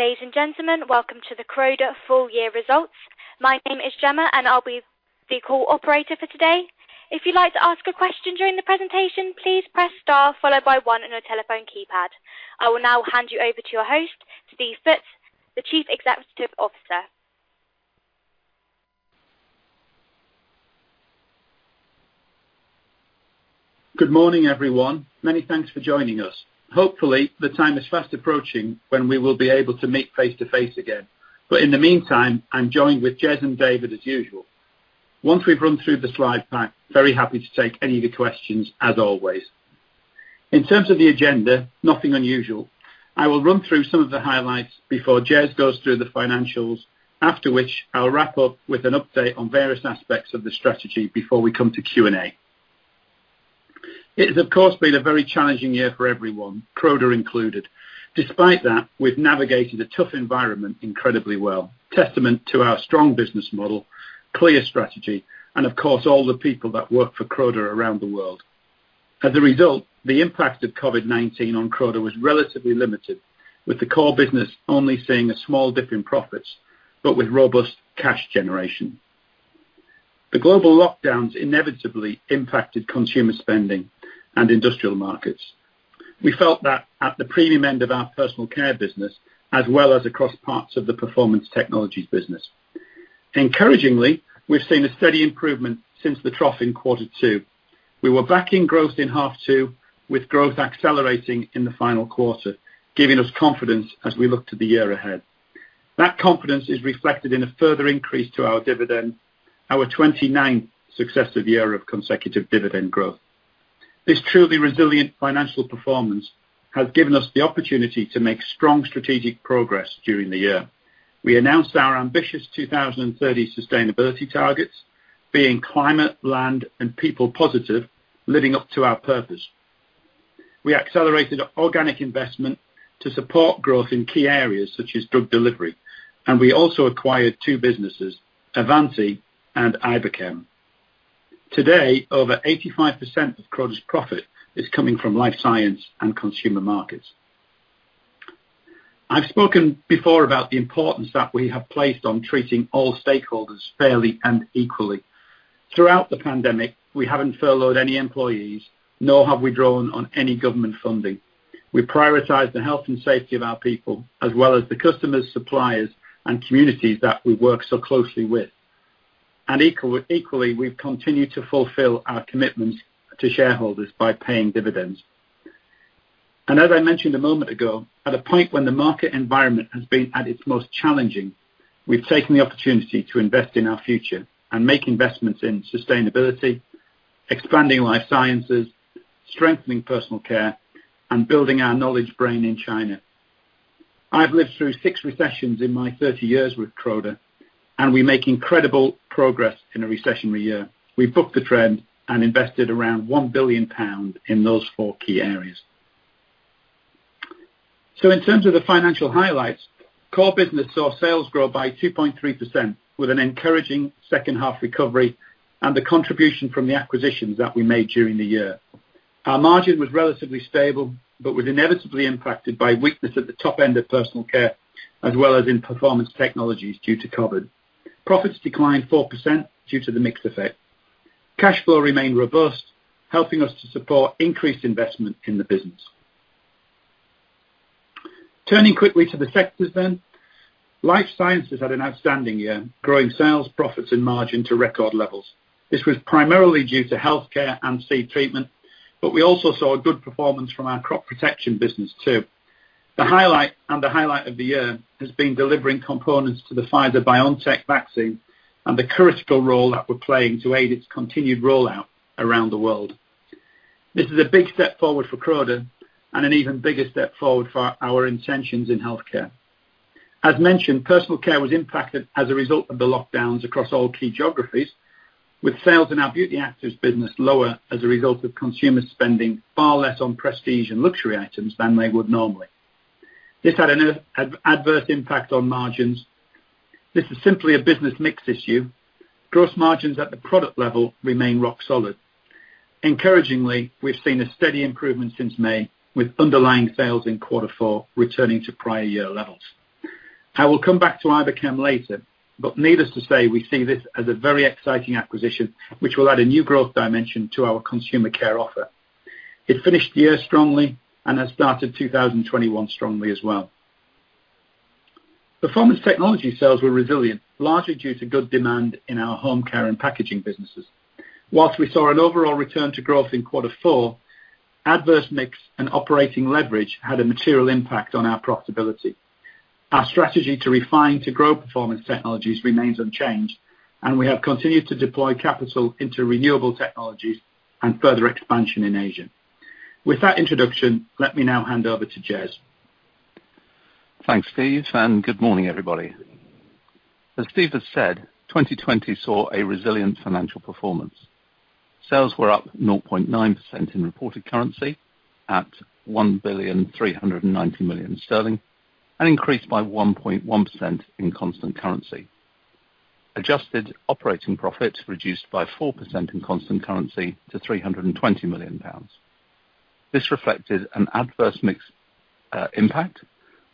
Ladies and gentlemen, welcome to the Croda full-year results. My name is Gemma, and I'll be the call operator for today. If you'd like to ask a question during the presentation, please press star followed by one on your telephone keypad. I will now hand you over to your host, Steve Foots, the Chief Executive Officer. Good morning, everyone. Many thanks for joining us. Hopefully, the time is fast approaching when we will be able to meet face-to-face again. In the meantime, I'm joined with Jez and David as usual. Once we've run through the slide pack, very happy to take any of your questions as always. In terms of the agenda, nothing unusual. I will run through some of the highlights before Jez goes through the financials, after which I'll wrap up with an update on various aspects of the strategy before we come to Q&A. It has, of course, been a very challenging year for everyone, Croda included. Despite that, we've navigated a tough environment incredibly well, testament to our strong business model, clear strategy, and of course, all the people that work for Croda around the world. As a result, the impact of COVID-19 on Croda was relatively limited, with the core business only seeing a small dip in profits, but with robust cash generation. The global lockdowns inevitably impacted consumer spending and industrial markets. We felt that at the premium end of our Personal Care business, as well as across parts of the Performance Technologies business. Encouragingly, we've seen a steady improvement since the trough in quarter two. We were back in growth in half two, with growth accelerating in the final quarter, giving us confidence as we look to the year ahead. That confidence is reflected in a further increase to our dividend, our 29th successive year of consecutive dividend growth. This truly resilient financial performance has given us the opportunity to make strong strategic progress during the year. We announced our ambitious 2030 sustainability targets, being Climate, Land, and People Positive, living up to our purpose. We accelerated organic investment to support growth in key areas such as drug delivery. We also acquired two businesses, Avanti and Iberchem. Today, over 85% of Croda's profit is coming from life science and consumer markets. I've spoken before about the importance that we have placed on treating all stakeholders fairly and equally. Throughout the pandemic, we haven't furloughed any employees, nor have we drawn on any government funding. We prioritize the health and safety of our people, as well as the customers, suppliers, and communities that we work so closely with. Equally, we've continued to fulfill our commitments to shareholders by paying dividends. As I mentioned a moment ago, at a point when the market environment has been at its most challenging, we've taken the opportunity to invest in our future and make investments in sustainability, expanding Life Sciences, strengthening Personal Care, and building our knowledge brain in China. I've lived through six recessions in my 30 years with Croda, and we make incredible progress in a recessionary year. We bucked the trend and invested around 1 billion pounds in those four key areas. In terms of the financial highlights, core business saw sales grow by 2.3% with an encouraging second half recovery and the contribution from the acquisitions that we made during the year. Our margin was relatively stable, but was inevitably impacted by weakness at the top end of Personal Care, as well as in Performance Technologies due to COVID-19. Profits declined 4% due to the mix effect. Cash flow remained robust, helping us to support increased investment in the business. Turning quickly to the sectors. Life Sciences had an outstanding year, growing sales, profits, and margin to record levels. This was primarily due to Healthcare and Seed Treatment, we also saw a good performance from our Crop Protection business, too. The highlight, and the highlight of the year, has been delivering components to the Pfizer-BioNTech vaccine and the critical role that we're playing to aid its continued rollout around the world. This is a big step forward for Croda and an even bigger step forward for our intentions in Healthcare. As mentioned, Personal Care was impacted as a result of the lockdowns across all key geographies, with sales in our Beauty Actives business lower as a result of consumer spending far less on prestige and luxury items than they would normally. This had an adverse impact on margins. This is simply a business mix issue. Gross margins at the product level remain rock solid. Encouragingly, we've seen a steady improvement since May, with underlying sales in quarter four returning to prior-year levels. I will come back to Iberchem later, but needless to say, we see this as a very exciting acquisition which will add a new growth dimension to our Consumer Care offer. It finished the year strongly and has started 2021 strongly as well. Performance Technologies sales were resilient, largely due to good demand in our Home Care and packaging businesses. Whilst we saw an overall return to growth in quarter four, adverse mix and operating leverage had a material impact on our profitability. Our strategy to Refine to Grow Performance Technologies remains unchanged, and we have continued to deploy capital into renewable technologies and further expansion in Asia. With that introduction, let me now hand over to Jez. Thanks, Steve. Good morning, everybody. As Steve has said, 2020 saw a resilient financial performance. Sales were up 0.9% in reported currency at 1,390,000,000, an increase by 1.1% in constant currency. Adjusted operating profit reduced by 4% in constant currency to 320 million pounds. This reflected an adverse mix impact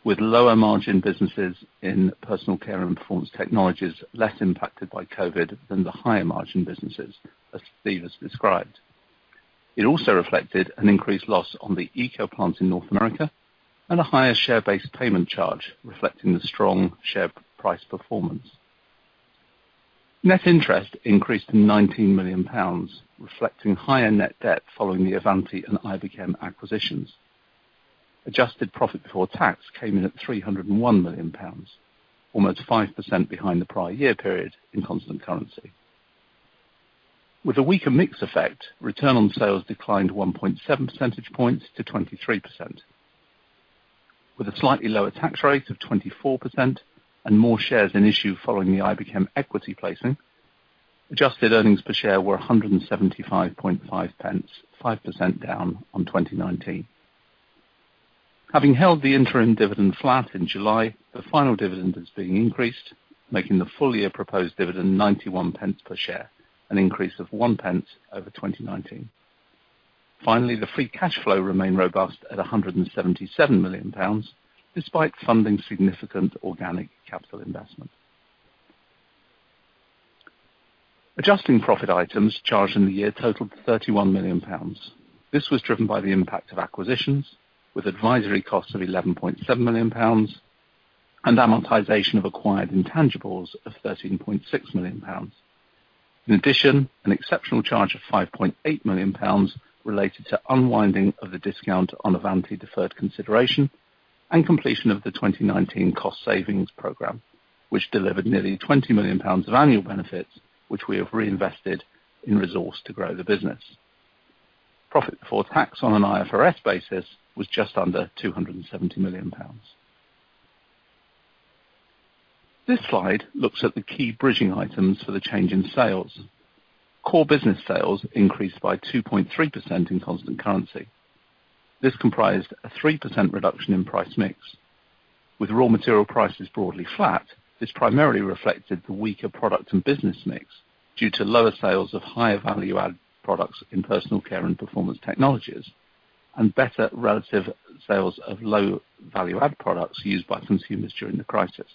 with lower-margin businesses in Personal Care and Performance Technologies less impacted by COVID than the higher margin businesses, as Steve has described. It also reflected an increased loss on the ECO plant in North America and a higher share-based payment charge reflecting the strong share price performance. Net interest increased to 19 million pounds, reflecting higher net debt following the Avanti and Iberchem acquisitions. Adjusted profit before tax came in at 301 million pounds, almost 5% behind the prior-year period in constant currency. With a weaker mix effect, return on sales declined 1.7 percentage points to 23%, with a slightly lower tax rate of 24% and more shares an issue following the Iberchem equity placing. Adjusted earnings per share were 1.755, 5% down on 2019. Having held the interim dividend flat in July, the final dividend is being increased, making the full-year proposed dividend 0.91 per share, an increase of 0.01 over 2019. Finally, the free cash flow remained robust at 177 million pounds despite funding significant organic capital investment. Adjusting profit items charged in the year totaled 31 million pounds. This was driven by the impact of acquisitions, with advisory costs of 11.7 million pounds and amortization of acquired intangibles of 13.6 million pounds. In addition, an exceptional charge of 5.8 million pounds related to unwinding of the discount on Avanti deferred consideration and completion of the 2019 cost savings program, which delivered nearly 20 million pounds of annual benefits, which we have reinvested in resource to grow the business. Profit before tax on an IFRS basis was just under 270 million pounds. This slide looks at the key bridging items for the change in sales. Core business sales increased by 2.3% in constant currency. This comprised a 3% reduction in price mix. With raw material prices broadly flat, this primarily reflected the weaker product and business mix due to lower sales of higher-value-add products in Personal Care and Performance Technologies, and better relative sales of low-value-add products used by consumers during the crisis.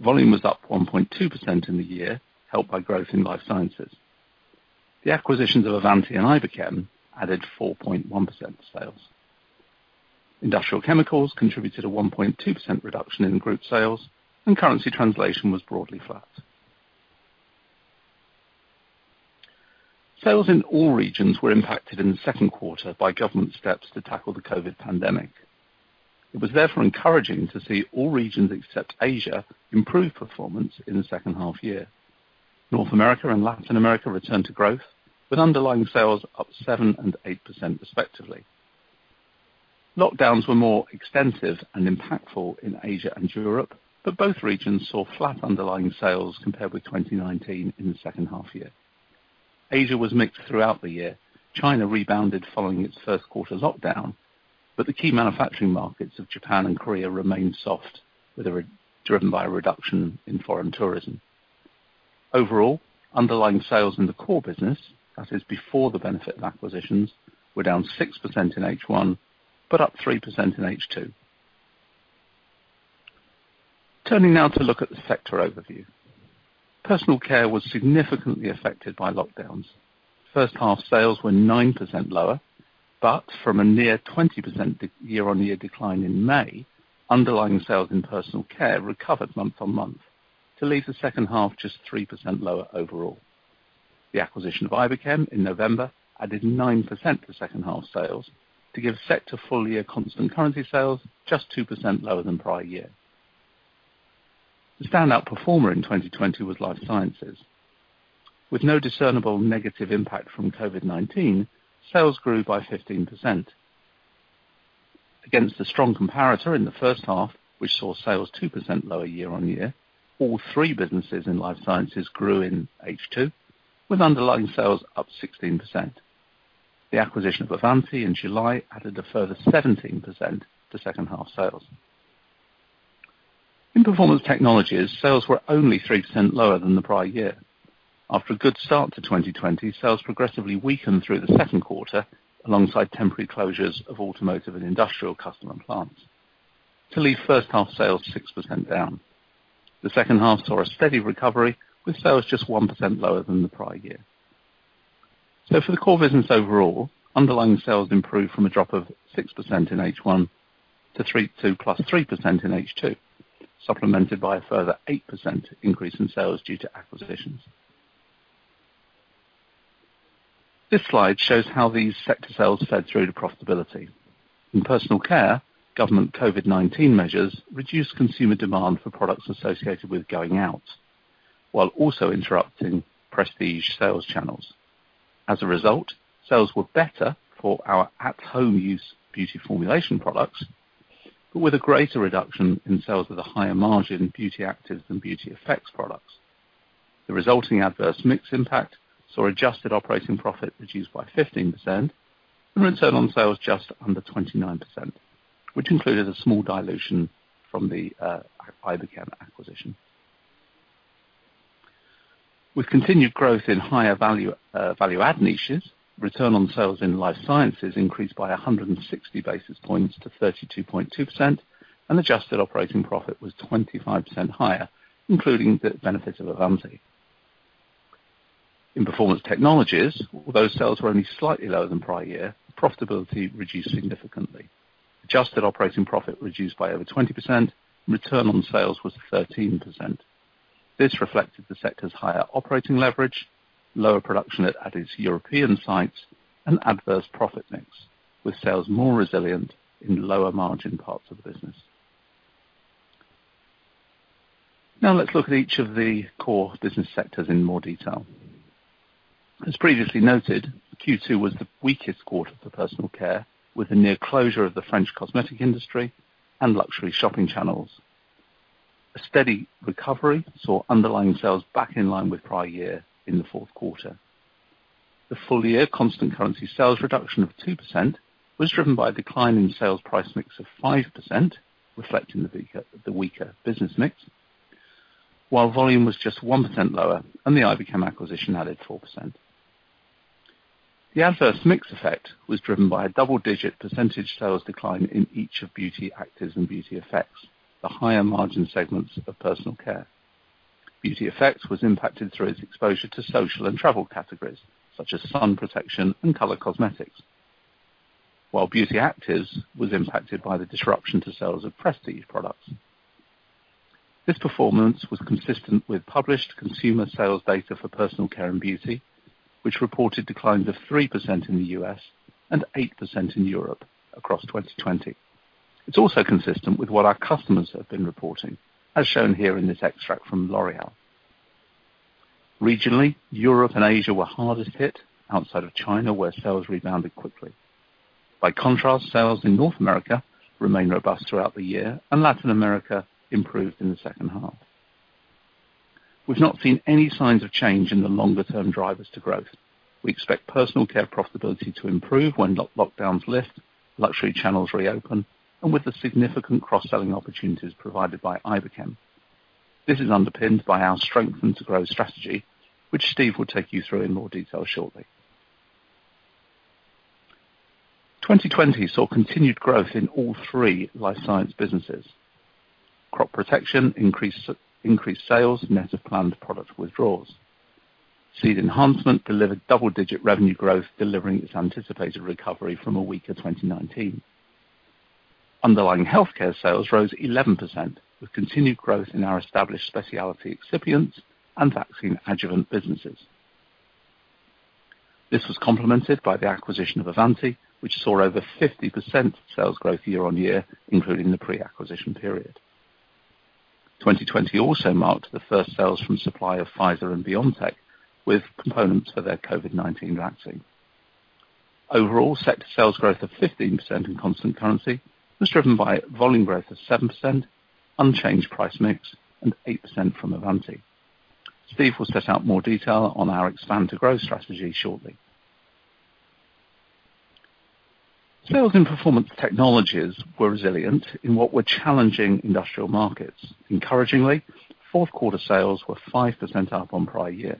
Volume was up 1.2% in the year, helped by growth in Life Sciences. The acquisitions of Avanti and Iberchem added 4.1% to sales. Industrial Chemicals contributed a 1.2% reduction in group sales, and currency translation was broadly flat. Sales in all regions were impacted in the second quarter by government steps to tackle the COVID-19 pandemic. It was therefore encouraging to see all regions except Asia improve performance in the second half year. North America and Latin America returned to growth, with underlying sales up 7% and 8% respectively. Lockdowns were more extensive and impactful in Asia and Europe, but both regions saw flat underlying sales compared with 2019 in the second half year. Asia was mixed throughout the year. China rebounded following its first quarter lockdown, but the key manufacturing markets of Japan and Korea remained soft, driven by a reduction in foreign tourism. Overall, underlying sales in the core business, that is, before the benefit of acquisitions, were down 6% in H1, but up 3% in H2. Turning now to look at the sector overview. Personal Care was significantly affected by lockdowns. First half sales were 9% lower, but from a near 20% year-on-year decline in May, underlying sales in Personal Care recovered month-on-month to leave the second half just 3% lower overall. The acquisition of Iberchem in November added 9% to second half sales to give sector full-year constant currency sales just 2% lower than prior year. The standout performer in 2020 was Life Sciences, with no discernible negative impact from COVID-19, sales grew by 15%. Against the strong comparator in the first half, which saw sales 2% lower year-on-year, all three businesses in Life Sciences grew in H2, with underlying sales up 16%. The acquisition of Avanti in July added a further 17% to second half sales. In Performance Technologies, sales were only 3% lower than the prior year. After a good start to 2020, sales progressively weakened through the second quarter alongside temporary closures of automotive and industrial customer plants to leave first half sales 6% down. The second half saw a steady recovery with sales just 1% lower than the prior year. For the core business overall, underlying sales improved from a drop of 6% in H1 to +3% in H2, supplemented by a further 8% increase in sales due to acquisitions. This slide shows how these sector sales fed through to profitability. In Personal Care, government COVID-19 measures reduced consumer demand for products associated with going out, while also interrupting prestige sales channels. As a result, sales were better for our at home use Beauty Formulation products, but with a greater reduction in sales of the higher-margin Beauty Actives and Beauty Effects products. The resulting adverse mix impact saw adjusted operating profit reduced by 15%, and return on sales just under 29%, which included a small dilution from the Iberchem acquisition. With continued growth in higher-value-add niches, return on sales in Life Sciences increased by 160 basis points to 32.2%, and adjusted operating profit was 25% higher, including the benefit of Avanti. In Performance Technologies, those sales were only slightly lower than prior year, profitability reduced significantly. Adjusted operating profit reduced by over 20%, return on sales was 13%. This reflected the sector's higher operating leverage, lower production at its European sites and adverse profit mix, with sales more resilient in lower-margin parts of the business. Now let's look at each of the core business sectors in more detail. As previously noted, Q2 was the weakest quarter for Personal Care, with the near closure of the French cosmetic industry and luxury shopping channels. A steady recovery saw underlying sales back in line with prior year in the fourth quarter. The fullyear constant currency sales reduction of 2% was driven by a decline in sales price mix of 5%, reflecting the weaker business mix, while volume was just 1% lower and the Iberchem acquisition added 4%. The adverse mix effect was driven by a double-digit percentage sales decline in each of Beauty Actives and Beauty Effects, the higher-margin segments of Personal Care. Beauty Effects was impacted through its exposure to social and travel categories such as sun protection and color cosmetics, while Beauty Actives was impacted by the disruption to sales of prestige products. This performance was consistent with published consumer sales data for Personal Care and beauty, which reported declines of 3% in the U.S. and 8% in Europe across 2020. It's also consistent with what our customers have been reporting, as shown here in this extract from L'Oréal. Regionally, Europe and Asia were hardest hit outside of China, where sales rebounded quickly. By contrast, sales in North America remained robust throughout the year, and Latin America improved in the second half. We've not seen any signs of change in the longer-term drivers to growth. We expect Personal Care profitability to improve when lockdowns lift, luxury channels reopen, and with the significant cross-selling opportunities provided by Iberchem. This is underpinned by our Strengthen to Grow strategy, which Steve will take you through in more detail shortly. 2020 saw continued growth in all three Life Science businesses. Crop Protection increased sales net of planned product withdrawals. Seed Enhancement delivered double-digit revenue growth, delivering its anticipated recovery from a weaker 2019. Underlying Health Care sales rose 11%, with continued growth in our established specialty excipients and vaccine adjuvant businesses. This was complemented by the acquisition of Avanti, which saw over 50% sales growth year on year, including the pre-acquisition period. 2020 also marked the first sales from supply of Pfizer and BioNTech with components for their COVID-19 vaccine. Overall, sector sales growth of 15% in constant currency was driven by volume growth of 7%, unchanged price mix, and 8% from Avanti. Steve will set out more detail on our Expand to Grow strategy shortly. Sales and Performance Technologies were resilient in what were challenging industrial markets. Encouragingly, fourth quarter sales were 5% up on prior year.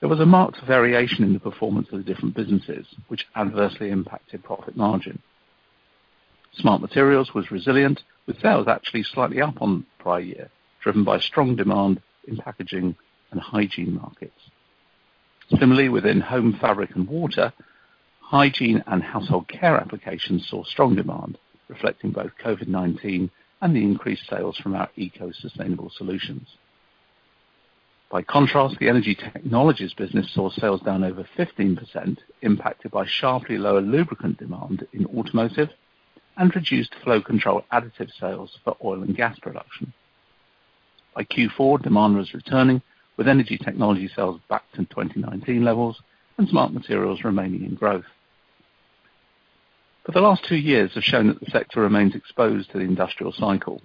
There was a marked variation in the performance of the different businesses, which adversely impacted profit margin. Smart Materials was resilient, with sales actually slightly up on prior year, driven by strong demand in packaging and hygiene markets. Similarly, within Home, Fabric and Water, hygiene and household care applications saw strong demand, reflecting both COVID-19 and the increased sales from our ECO sustainable solutions. By contrast, the Energy Technologies business saw sales down over 15%, impacted by sharply lower lubricant demand in automotive and reduced flow control additive sales for oil and gas production. By Q4, demand was returning, with Energy Technologies sales back to 2019 levels and Smart Materials remaining in growth. The last two years have shown that the sector remains exposed to the industrial cycle.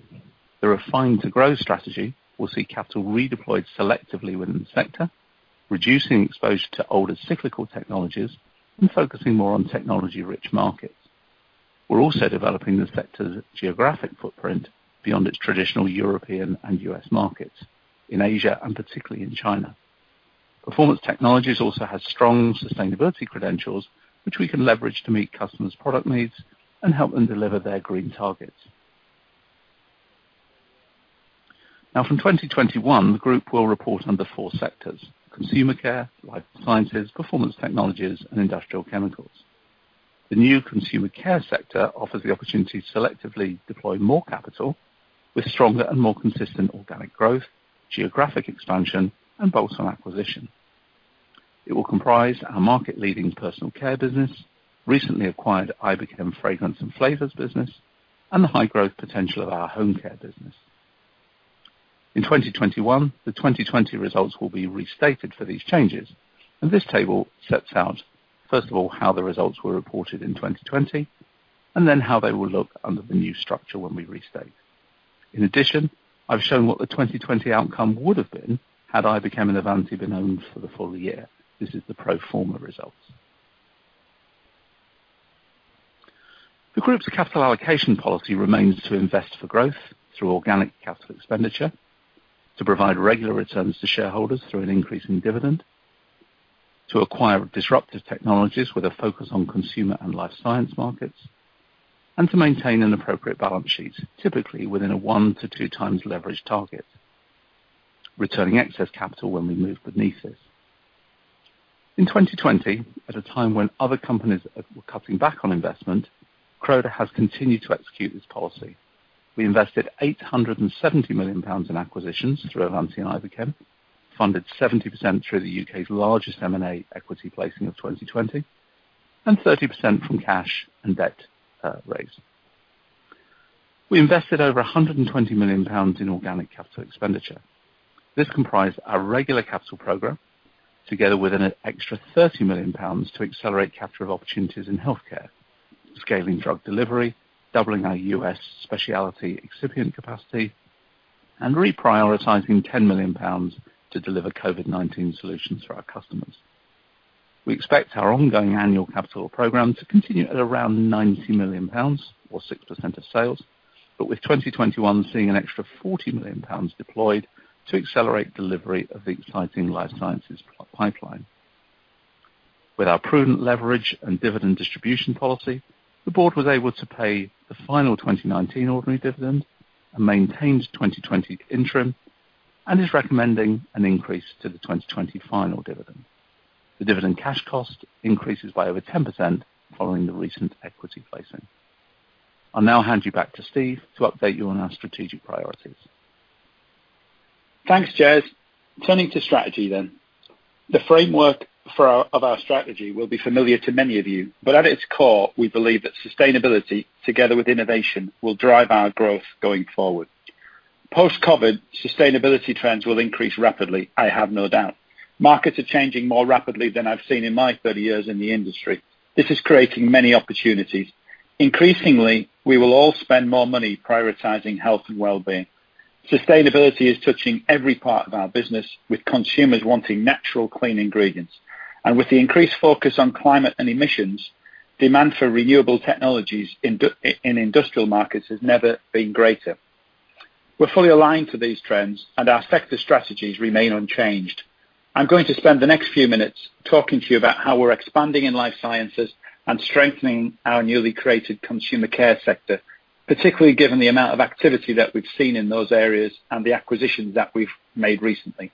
The Refine to Grow strategy will see capital redeployed selectively within the sector, reducing exposure to older cyclical technologies and focusing more on technology-rich markets. We're also developing the sector's geographic footprint beyond its traditional European and U.S. markets in Asia and particularly in China. Performance Technologies also has strong sustainability credentials, which we can leverage to meet customers' product needs and help them deliver their green targets. From 2021, the group will report under four sectors. Consumer Care, Life Sciences, Performance Technologies, and Industrial Chemicals. The new Consumer Care sector offers the opportunity to selectively deploy more capital with stronger and more consistent organic growth, geographic expansion, and bolt-on acquisition. It will comprise our market leading Personal Care business, recently acquired Iberchem fragrance and flavors business, and the high growth potential of our Home Care business. In 2021, the 2020 results will be restated for these changes, this table sets out, first of all, how the results were reported in 2020. Then how they will look under the new structure when we restate. In addition, I've shown what the 2020 outcome would've been had Iberchem and Avanti been owned for the full year. This is the pro forma results. The group's capital allocation policy remains to invest for growth through organic capital expenditure. To provide regular returns to shareholders through an increase in dividend. To acquire disruptive technologies with a focus on consumer and life science markets. To maintain an appropriate balance sheet, typically within a 1x-2x leverage target, returning excess capital when we move beneath this. In 2020, at a time when other companies were cutting back on investment, Croda has continued to execute this policy. We invested 870 million pounds in acquisitions through Avanti and Iberchem, funded 70% through the U.K.'s largest M&A equity placing of 2020, and 30% from cash and debt raised. We invested over 120 million pounds in organic capital expenditure. This comprised our regular capital program, together with an extra 30 million pounds to accelerate capital opportunities in healthcare. Scaling drug delivery, doubling our U.S. specialty excipient capacity, and reprioritizing 10 million pounds to deliver COVID-19 solutions for our customers. We expect our ongoing annual capital program to continue at around 90 million pounds or 6% of sales, but with 2021 seeing an extra 40 million pounds deployed to accelerate delivery of the exciting Life Sciences pipeline. With our prudent leverage and dividend distribution policy, the board was able to pay the final 2019 ordinary dividend and maintained 2020 interim, and is recommending an increase to the 2020 final dividend. The dividend cash cost increases by over 10% following the recent equity placing. I'll now hand you back to Steve to update you on our strategic priorities. Thanks, Jez. Turning to strategy then. The framework of our strategy will be familiar to many of you. At its core, we believe that sustainability together with innovation, will drive our growth going forward. Post-COVID, sustainability trends will increase rapidly, I have no doubt. Markets are changing more rapidly than I've seen in my 30 years in the industry. This is creating many opportunities. Increasingly, we will all spend more money prioritizing health and wellbeing. Sustainability is touching every part of our business, with consumers wanting natural, clean ingredients. With the increased focus on climate and emissions, demand for renewable technologies in industrial markets has never been greater. We're fully aligned to these trends, and our sector strategies remain unchanged. I'm going to spend the next few minutes talking to you about how we're expanding in Life Sciences and strengthening our newly created Consumer Care sector, particularly given the amount of activity that we've seen in those areas and the acquisitions that we've made recently.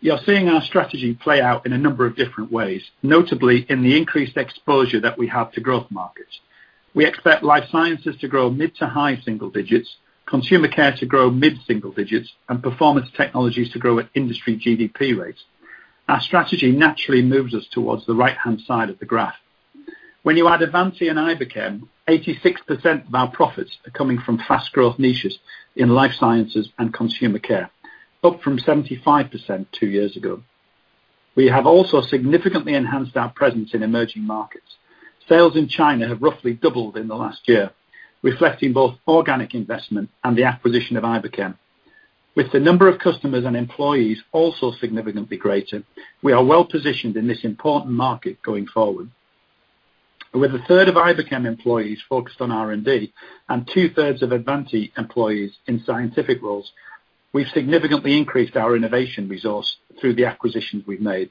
You're seeing our strategy play out in a number of different ways, notably in the increased exposure that we have to growth markets. We expect Life Sciences to grow mid to high single digits, Consumer Care to grow mid-single digits, and Performance Technologies to grow at industry GDP rates. Our strategy naturally moves us towards the right-hand side of the graph. When you add Avanti and Iberchem, 86% of our profits are coming from fast growth niches in Life Sciences and Consumer Care, up from 75% two years ago. We have also significantly enhanced our presence in emerging markets. Sales in China have roughly doubled in the last year, reflecting both organic investment and the acquisition of Iberchem. With the number of customers and employees also significantly greater, we are well positioned in this important market going forward. With a third of Iberchem employees focused on R&D and two-thirds of Avanti employees in scientific roles, we've significantly increased our innovation resource through the acquisitions we've made.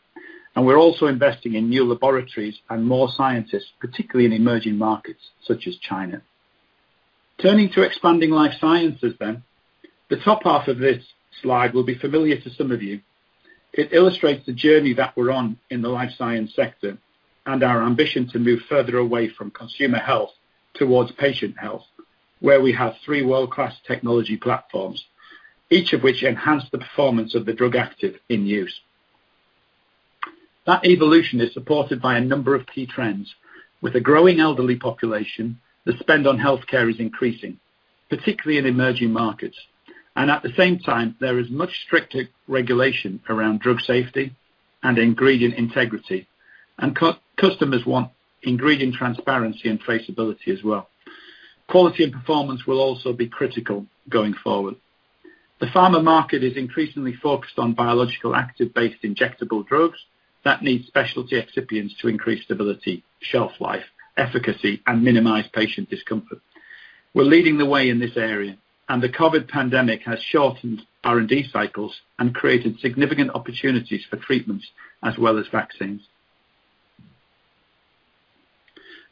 We're also investing in new laboratories and more scientists, particularly in emerging markets such as China. Turning to expanding Life Sciences, the top half of this slide will be familiar to some of you. It illustrates the journey that we're on in the Life Sciences sector and our ambition to move further away from consumer health towards patient health, where we have three world-class technology platforms, each of which enhance the performance of the drug active in use. That evolution is supported by a number of key trends. With a growing elderly population, the spend on healthcare is increasing, particularly in emerging markets. At the same time, there is much stricter regulation around drug safety and ingredient integrity. Customers want ingredient transparency and traceability as well. Quality and performance will also be critical going forward. The pharma market is increasingly focused on biological active-based injectable drugs that need specialty excipients to increase stability, shelf life, efficacy, and minimize patient discomfort. We're leading the way in this area. The COVID-19 pandemic has shortened R&D cycles and created significant opportunities for treatments as well as vaccines.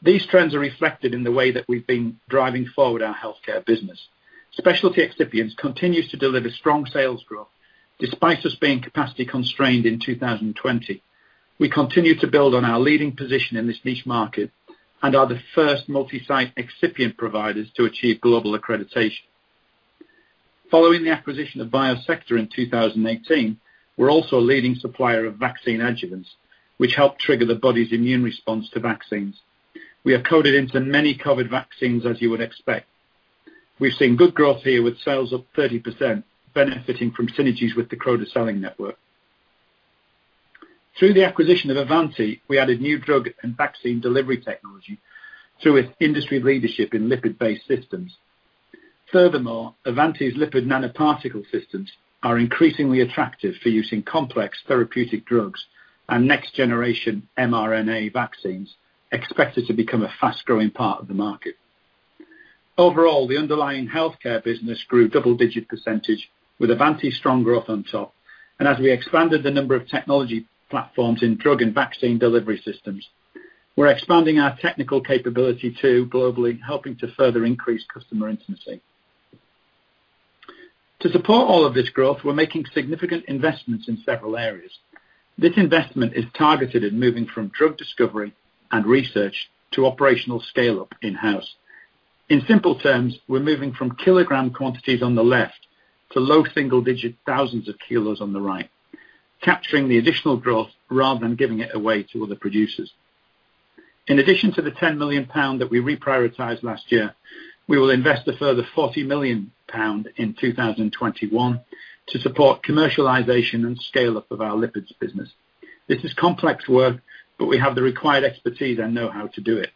These trends are reflected in the way that we've been driving forward our healthcare business. Specialty excipients continues to deliver strong sales growth, despite us being capacity constrained in 2020. We continue to build on our leading position in this niche market and are the first multi-site excipient providers to achieve global accreditation. Following the acquisition of Biosector in 2018, we're also a leading supplier of vaccine adjuvants, which help trigger the body's immune response to vaccines. We are coded into many COVID vaccines, as you would expect. We've seen good growth here with sales up 30%, benefiting from synergies with the Croda selling network. Through the acquisition of Avanti, we added new drug and vaccine delivery technology through its industry leadership in lipid-based systems. Furthermore, Avanti's lipid nanoparticle systems are increasingly attractive for use in complex therapeutic drugs and next-generation mRNA vaccines, expected to become a fast-growing part of the market. Overall, the underlying healthcare business grew double-digit percentage with Avanti's strong growth on top. As we expanded the number of technology platforms in drug and vaccine delivery systems, we're expanding our technical capability too, globally, helping to further increase customer intimacy. To support all of this growth, we're making significant investments in several areas. This investment is targeted at moving from drug discovery and research to operational scale-up in-house. In simple terms, we're moving from kilogram quantities on the left to low single-digit thousands of kilos on the right, capturing the additional growth rather than giving it away to other producers. In addition to the 10 million pound that we reprioritized last year, we will invest a further 40 million pound in 2021 to support commercialization and scale-up of our lipids business. This is complex work, but we have the required expertise and know-how to do it.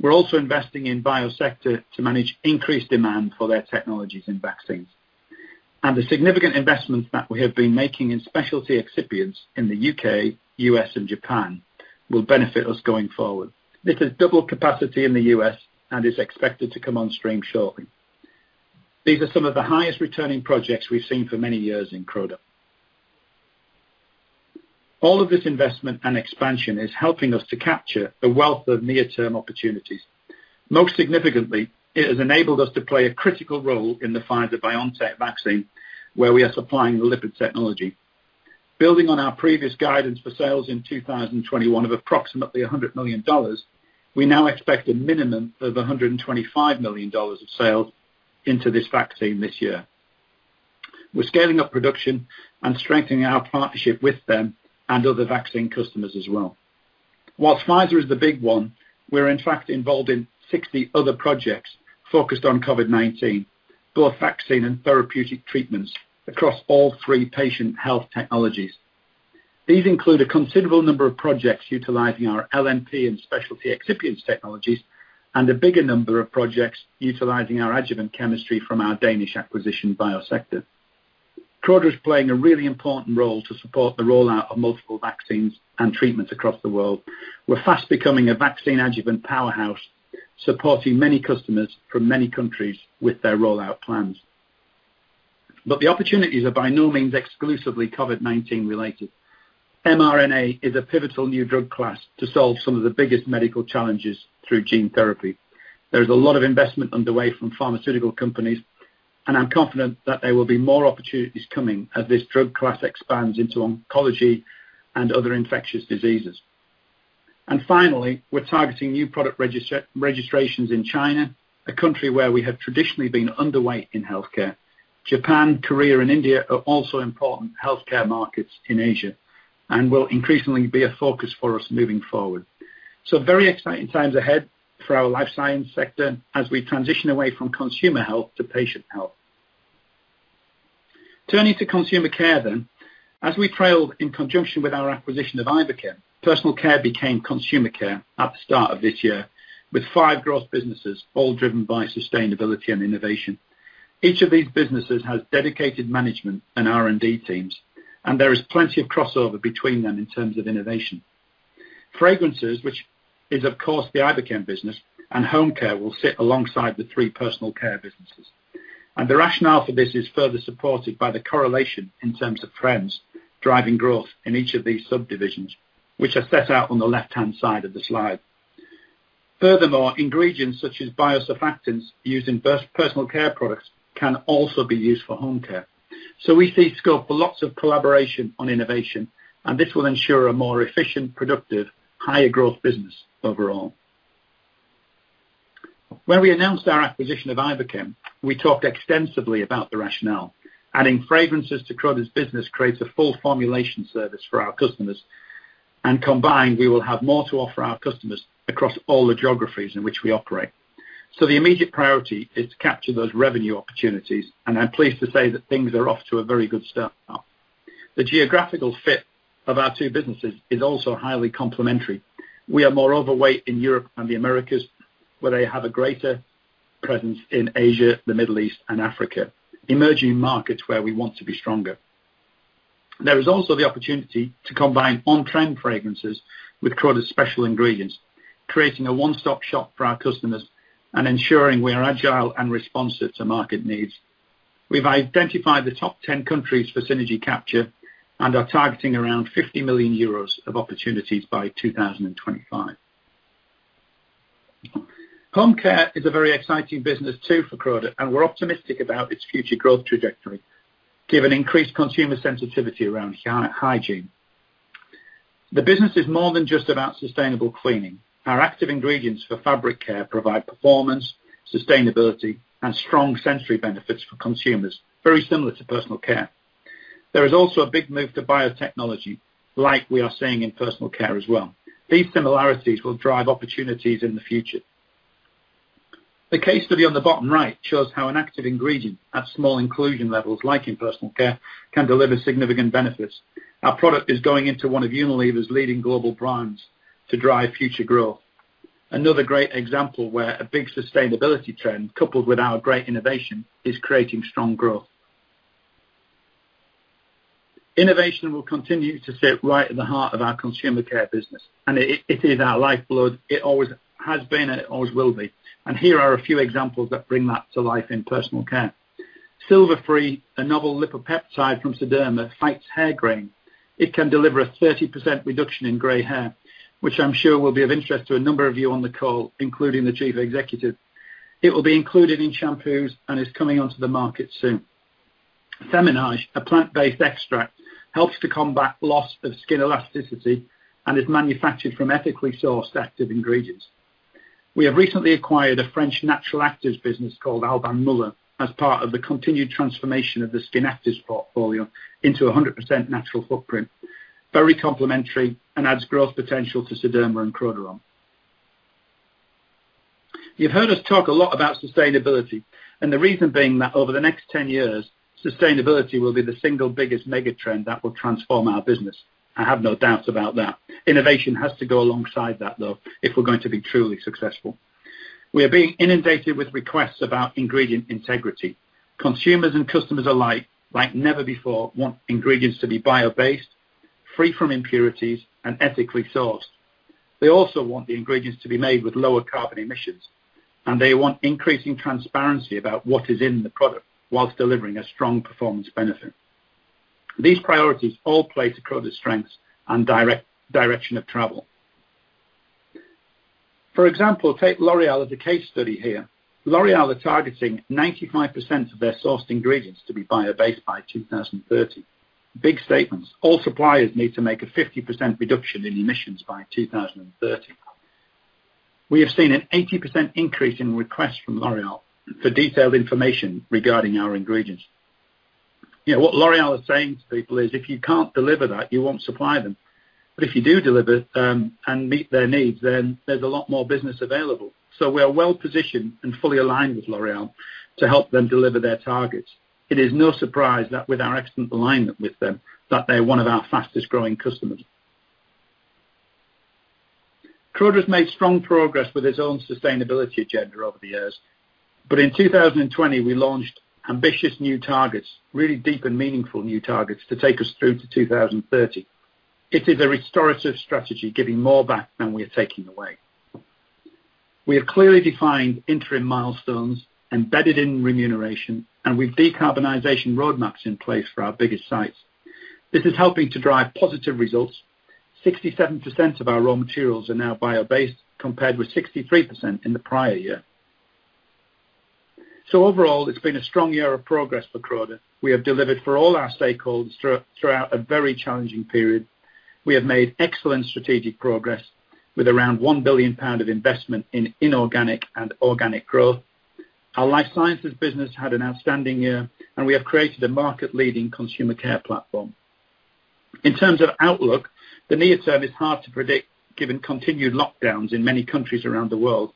We're also investing in Biosector to manage increased demand for their technologies in vaccines. The significant investments that we have been making in specialty excipients in the U.K., U.S., and Japan will benefit us going forward. This is double capacity in the U.S. and is expected to come on stream shortly. These are some of the highest returning projects we've seen for many years in Croda. All of this investment and expansion is helping us to capture the wealth of near-term opportunities. Most significantly, it has enabled us to play a critical role in the Pfizer-BioNTech vaccine, where we are supplying the lipid technology. Building on our previous guidance for sales in 2021 of approximately $100 million, we now expect a minimum of $125 million of sales into this vaccine this year. We're scaling up production and strengthening our partnership with them and other vaccine customers as well. Whilst Pfizer is the big one, we're in fact involved in 60 other projects focused on COVID-19, both vaccine and therapeutic treatments across all three patient health technologies. These include a considerable number of projects utilizing our LNP and specialty excipients technologies, and a bigger number of projects utilizing our adjuvant chemistry from our Danish acquisition, Biosector. Croda's playing a really important role to support the rollout of multiple vaccines and treatments across the world. We're fast becoming a vaccine adjuvant powerhouse, supporting many customers from many countries with their rollout plans. The opportunities are by no means exclusively COVID-19 related. mRNA is a pivotal new drug class to solve some of the biggest medical challenges through gene therapy. There is a lot of investment underway from pharmaceutical companies, and I'm confident that there will be more opportunities coming as this drug class expands into oncology and other infectious diseases. Finally, we're targeting new product registrations in China, a country where we have traditionally been underweight in healthcare. Japan, Korea, and India are also important healthcare markets in Asia, and will increasingly be a focus for us moving forward. Very exciting times ahead for our Life Sciences sector as we transition away from consumer health to patient health. Turning to Consumer Care then. As we trailed in conjunction with our acquisition of Iberchem, Personal Care became Consumer Care at the start of this year, with five growth businesses, all driven by sustainability and innovation. Each of these businesses has dedicated management and R&D teams, and there is plenty of crossover between them in terms of innovation. Fragrances, which is of course the Iberchem business, and Home Care will sit alongside the three Personal Care businesses. The rationale for this is further supported by the correlation in terms of trends driving growth in each of these subdivisions, which are set out on the left-hand side of the slide. Furthermore, ingredients such as biosurfactants used in Personal Care products can also be used for Home Care. We see scope for lots of collaboration on innovation, and this will ensure a more efficient, productive, higher growth business overall. When we announced our acquisition of Iberchem, we talked extensively about the rationale. Adding fragrances to Croda's business creates a full formulation service for our customers, and combined, we will have more to offer our customers across all the geographies in which we operate. The immediate priority is to capture those revenue opportunities, and I'm pleased to say that things are off to a very good start now. The geographical fit of our two businesses is also highly complementary. We are more overweight in Europe and the Americas, where they have a greater presence in Asia, the Middle East, and Africa, emerging markets where we want to be stronger. There is also the opportunity to combine on-trend fragrances with Croda's special ingredients, creating a one-stop shop for our customers and ensuring we are agile and responsive to market needs. We've identified the top 10 countries for synergy capture and are targeting around 50 million euros of opportunities by 2025. Home Care is a very exciting business too for Croda, and we're optimistic about its future growth trajectory given increased consumer sensitivity around hygiene. The business is more than just about sustainable cleaning. Our active ingredients for fabric care provide performance, sustainability, and strong sensory benefits for consumers, very similar to Personal Care. There is also a big move to biotechnology, like we are seeing in Personal Care as well. These similarities will drive opportunities in the future. The case study on the bottom right shows how an active ingredient at small inclusion levels, like in Personal Care, can deliver significant benefits. Our product is going into one of Unilever's leading global brands to drive future growth. Another great example where a big sustainability trend, coupled with our great innovation, is creating strong growth. Innovation will continue to sit right at the heart of our Consumer Care business, and it is our lifeblood. It always has been, and it always will be. Here are a few examples that bring that to life in Personal Care. Silverfree, a novel lipopeptide from Sederma, fights hair graying. It can deliver a 30% reduction in gray hair, which I'm sure will be of interest to a number of you on the call, including the Chief Executive. It will be included in shampoos and is coming onto the market soon. Feminage, a plant-based extract, helps to combat loss of skin elasticity and is manufactured from ethically sourced active ingredients. We have recently acquired a French natural actives business called Alban Muller as part of the continued transformation of the Skin Actives portfolio into 100% natural footprint. Very complementary and adds growth potential to Sederma and Crodarom. You've heard us talk a lot about sustainability, and the reason being that over the next 10 years, sustainability will be the single biggest megatrend that will transform our business. I have no doubt about that. Innovation has to go alongside that, though, if we're going to be truly successful. We are being inundated with requests about ingredient integrity. Consumers and customers alike, like never before, want ingredients to be bio-based, free from impurities, and ethically sourced. They also want the ingredients to be made with lower carbon emissions, and they want increasing transparency about what is in the product while delivering a strong performance benefit. These priorities all play to Croda's strengths and direction of travel. For example, take L'Oréal as a case study here. L'Oréal are targeting 95% of their sourced ingredients to be bio-based by 2030. Big statements. All suppliers need to make a 50% reduction in emissions by 2030. We have seen an 80% increase in requests from L'Oréal for detailed information regarding our ingredients. What L'Oréal is saying to people is if you can't deliver that, you won't supply them. If you do deliver and meet their needs, then there's a lot more business available. We are well positioned and fully aligned with L'Oréal to help them deliver their targets. It is no surprise that with our excellent alignment with them, that they're one of our fastest-growing customers. Croda has made strong progress with its own sustainability agenda over the years. In 2020, we launched ambitious new targets, really deep and meaningful new targets to take us through to 2030. It is a restorative strategy, giving more back than we are taking away. We have clearly defined interim milestones embedded in remuneration and with decarbonization roadmaps in place for our biggest sites. This is helping to drive positive results. 67% of our raw materials are now bio-based, compared with 63% in the prior year. Overall, it's been a strong year of progress for Croda. We have delivered for all our stakeholders throughout a very challenging period. We have made excellent strategic progress with around 1 billion pound of investment in inorganic and organic growth. Our Life Sciences business had an outstanding year, and we have created a market-leading consumer care platform. In terms of outlook, the near term is hard to predict given continued lockdowns in many countries around the world.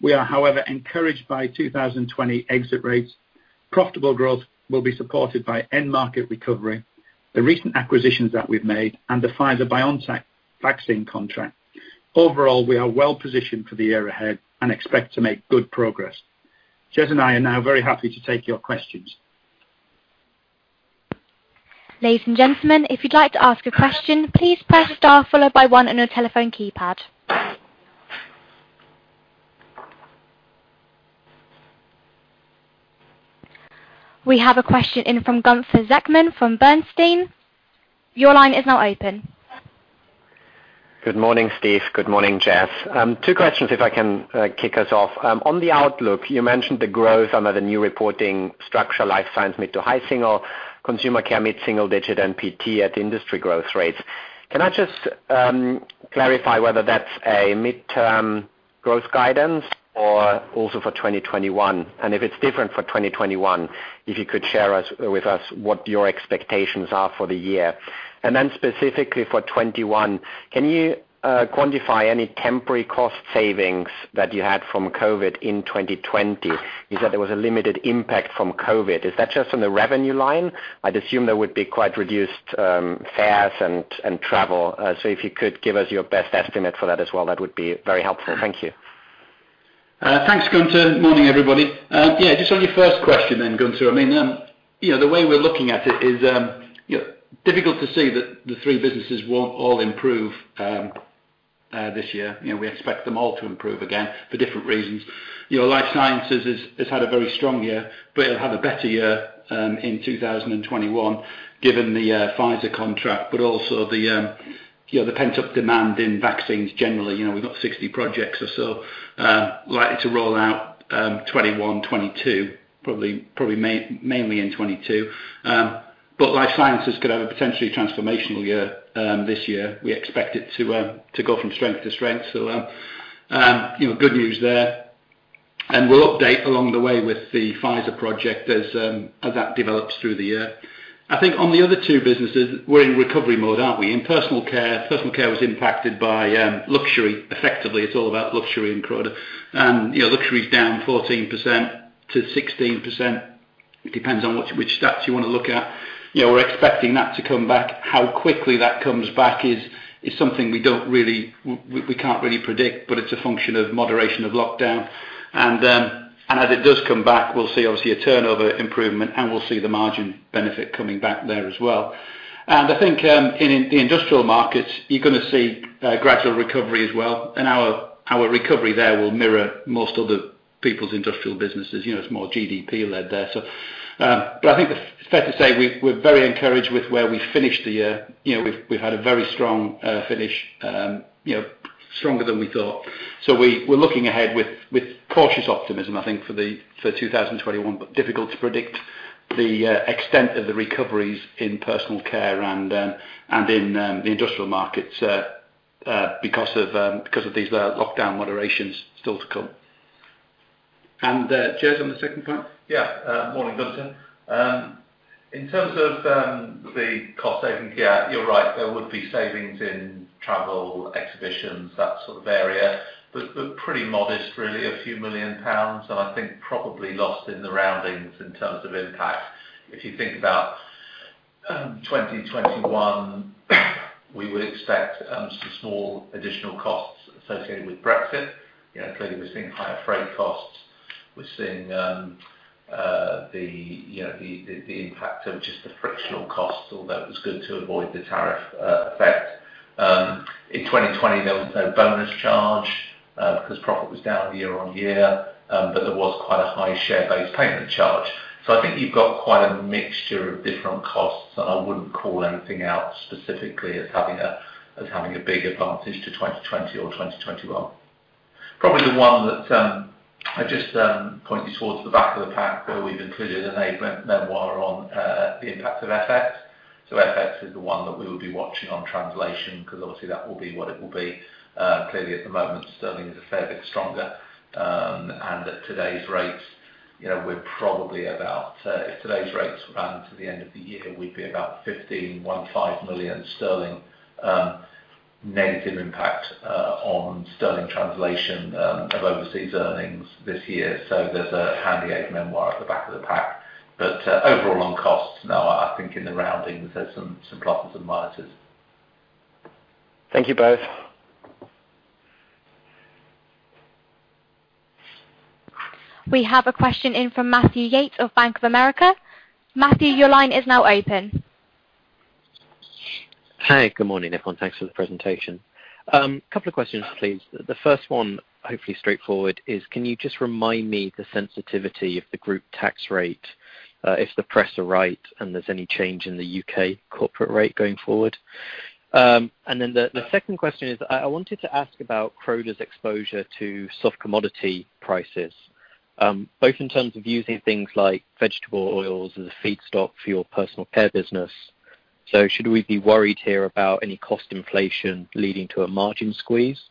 We are, however, encouraged by 2020 exit rates. Profitable growth will be supported by end-market recovery, the recent acquisitions that we've made, and the Pfizer-BioNTech vaccine contract. Overall, we are well positioned for the year ahead and expect to make good progress. Jez and I are now very happy to take your questions. Ladies and gentlemen, if you'd like to ask a question, please press star followed by one on your telephone keypad. We have a question in from Gunther Zechmann from Bernstein. Your line is now open. Good morning, Steve. Good morning, Jez. Two questions if I can kick us off. On the outlook, you mentioned the growth under the new reporting structure, Life Sciences mid to high single, Consumer Care mid-single digit and PT at industry growth rates. Can I just clarify whether that's a mid-term growth guidance or also for 2021? If it's different for 2021, if you could share with us what your expectations are for the year. Specifically for 2021, can you quantify any temporary cost savings that you had from COVID-19 in 2020? You said there was a limited impact from COVID-19. Is that just on the revenue line? I'd assume there would be quite reduced fares and travel. If you could give us your best estimate for that as well, that would be very helpful. Thank you. Thanks, Gunther. Morning, everybody. Just on your first question then, Gunther, the way we're looking at it is difficult to see that the three businesses won't all improve this year. We expect them all to improve again for different reasons. Life Sciences has had a very strong year, but it'll have a better year in 2021 given the Pfizer contract, but also the pent-up demand in vaccines generally. We've got 60 projects or so likely to roll out 2021, 2022, probably mainly in 2022. Life Sciences could have a potentially transformational year this year. We expect it to go from strength to strength, so good news there. We'll update along the way with the Pfizer project as that develops through the year. On the other two businesses, we're in recovery mode, aren't we? In Personal Care, Personal Care was impacted by luxury. Effectively, it's all about luxury in Croda. Luxury is down 14%-16%. It depends on which stats you want to look at. We're expecting that to come back. How quickly that comes back is something we can't really predict, but it's a function of moderation of lockdown. As it does come back, we'll see obviously a turnover improvement and we'll see the margin benefit coming back there as well. I think in the industrial markets, you're going to see gradual recovery as well. Our recovery there will mirror most other people's industrial businesses. It's more GDP-led there. I think it's fair to say we're very encouraged with where we finished the year. We've had a very strong finish, stronger than we thought. We're looking ahead with cautious optimism, I think, for 2021, but difficult to predict the extent of the recoveries in Personal Care and in the industrial markets because of these lockdown moderations still to come. Jez, on the second point? Morning, Gunther. In terms of the cost savings, yeah, you're right, there would be savings in travel, exhibitions, that sort of area. Pretty modest, really, a few million pounds, and I think probably lost in the roundings in terms of impact. If you think about 2021, we would expect some small additional costs associated with Brexit. Clearly, we're seeing higher freight costs. We're seeing the impact of just the frictional costs, although it was good to avoid the tariff effect. In 2020, there was no bonus charge because profit was down year-over-year, but there was quite a high share-based payment charge. I think you've got quite a mixture of different costs, and I wouldn't call anything out specifically as having a big advantage to 2020 or 2021. Probably the one that I'd just point you towards the back of the pack, where we've included an aide-mémoire on the impact of FX. FX is the one that we will be watching on translation, because obviously that will be what it will be. Clearly, at the moment, GBP is a fair bit stronger. At today's rates, we're probably about, if today's rates ran to the end of the year, we'd be about 15 million sterling negative impact on GBP translation of overseas earnings this year. There's a handy aide-mémoire at the back of the pack. Overall, on costs, no, I think in the roundings, there's some pluses and minuses. Thank you both. We have a question in from Matthew Yates of Bank of America. Matthew, your line is now open. Hi, good morning, everyone. Thanks for the presentation. Couple of questions, please. The first one, hopefully straightforward, is can you just remind me the sensitivity of the group tax rate if the press are right and there's any change in the U.K. corporate rate going forward? The second question is, I wanted to ask about Croda's exposure to soft commodity prices, both in terms of using things like vegetable oils as a feedstock for your Consumer Care business. Should we be worried here about any cost inflation leading to a margin squeeze?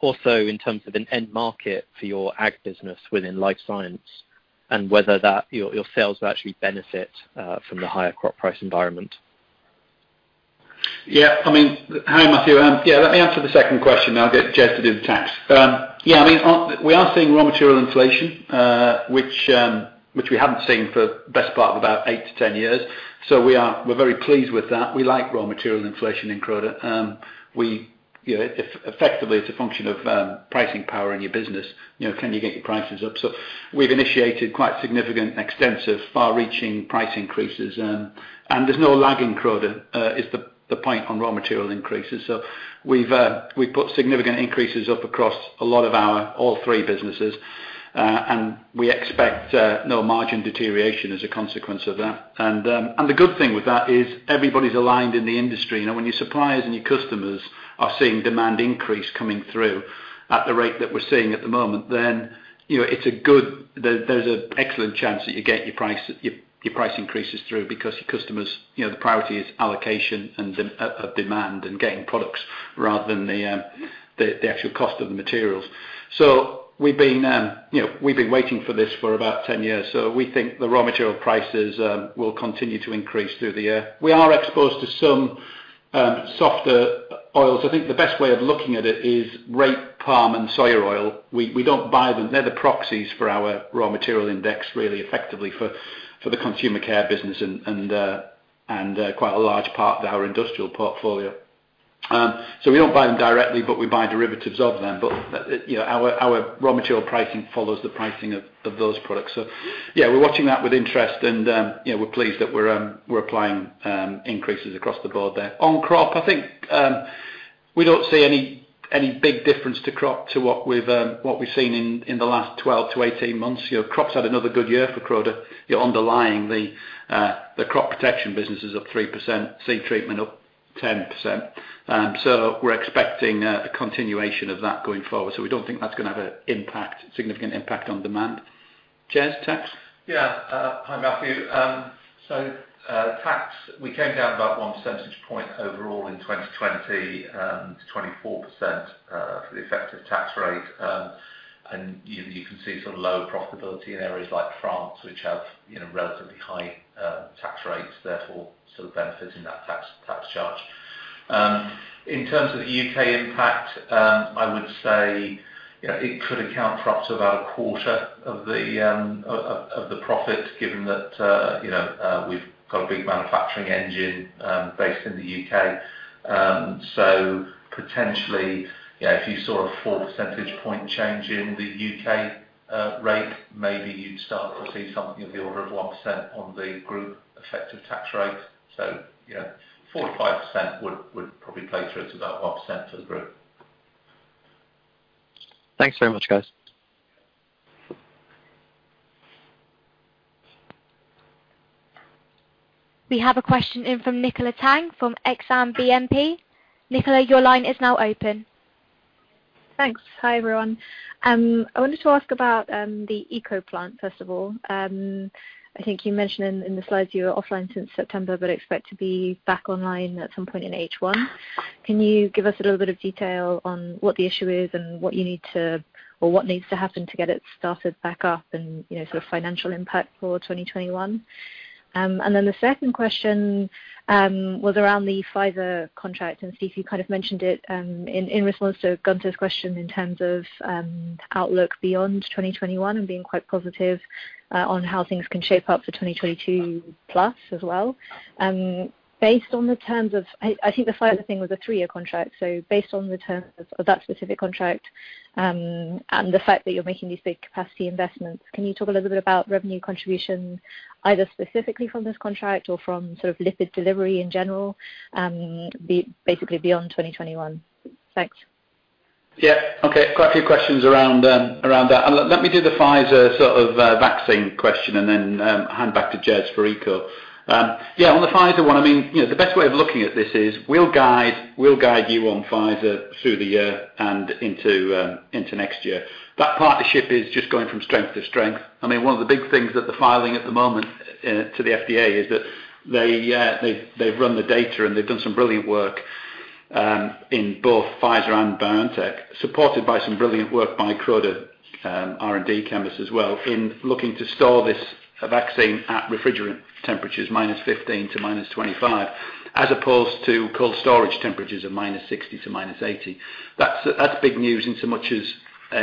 Also in terms of an end market for your ag business within Life Sciences, and whether that your sales will actually benefit from the higher crop price environment. Yeah. Hi, Matthew. Let me answer the second question. I'll get Jez to do the tax. We are seeing raw material inflation, which we haven't seen for best part of about 8-10 years. We're very pleased with that. We like raw material inflation in Croda. Effectively, it's a function of pricing power in your business. Can you get your prices up? We've initiated quite significant extensive far-reaching price increases. There's no lag in Croda is the point on raw material increases. We've put significant increases up across a lot of our all three businesses, and we expect no margin deterioration as a consequence of that. The good thing with that is everybody's aligned in the industry. When your suppliers and your customers are seeing demand increase coming through at the rate that we're seeing at the moment, there's an excellent chance that you get your price increases through because your customers, the priority is allocation of demand and getting products rather than the actual cost of the materials. We've been waiting for this for about 10 years. We think the raw material prices will continue to increase through the year. We are exposed to some softer oils. I think the best way of looking at it is rape, palm, and soya oil. We don't buy them. They're the proxies for our raw material index, really effectively for the Consumer Care business and quite a large part of our Industrial portfolio. We don't buy them directly, but we buy derivatives of them. Our raw material pricing follows the pricing of those products. Yeah, we're watching that with interest, and we're pleased that we're applying increases across the board there. On crop, I think we don't see any big difference to crop to what we've seen in the last 12-18 months. Crop's had another good year for Croda. Our underlying the Crop Protection business is up 3%, Seed Treatment up 10%. We're expecting a continuation of that going forward. We don't think that's going to have a significant impact on demand. Jez, tax? Yeah. Hi, Matthew. We came down about 1 percentage point overall in 2020, to 24%, for the effective tax rate. You can see low profitability in areas like France, which have relatively high tax rates, therefore benefiting that tax charge. In terms of the U.K. impact, I would say it could account for up to about a quarter of the profit, given that we've got a big manufacturing engine based in the U.K. Potentially, as you saw 4-percentage-point change in the U.K. rate, maybe you'd start to see something of the order of 1% on the group effective tax rate. 4% or 5% would probably play through to about 1% for the group. Thanks very much, guys. We have a question in from Nicola Tang from Exane BNP. Nicola, your line is now open. Thanks. Hi, everyone. I wanted to ask about the ECO plant, first of all. I think you mentioned in the slides you were offline since September but expect to be back online at some point in H1. Can you give us a little bit of detail on what the issue is and what needs to happen to get it started back up and sort of financial impact for 2021? The second question was around the Pfizer contract, and I see you kind of mentioned it in response to Gunther's question in terms of outlook beyond 2021 and being quite positive on how things can shape up for 2022 plus as well. I think the Pfizer thing was a three-year contract. Based on the terms of that specific contract, and the fact that you're making these big capacity investments, can you talk a little bit about revenue contribution either specifically from this contract or from lipid delivery in general, basically beyond 2021? Thanks. Yeah. Okay. Quite a few questions around that. Let me do the Pfizer sort of vaccine question and then hand back to Jez for ECO. Yeah, on the Pfizer one, the best way of looking at this is we'll guide you on Pfizer through the year and into next year. That partnership is just going from strength to strength. One of the big things that they're filing at the moment to the FDA is that they've run the data, and they've done some brilliant work, in both Pfizer and BioNTech, supported by some brilliant work by Croda R&D chemists as well in looking to store this vaccine at refrigerant temperatures, -15 to -25, as opposed to cold storage temperatures of -60 to -80. That's big news in so much as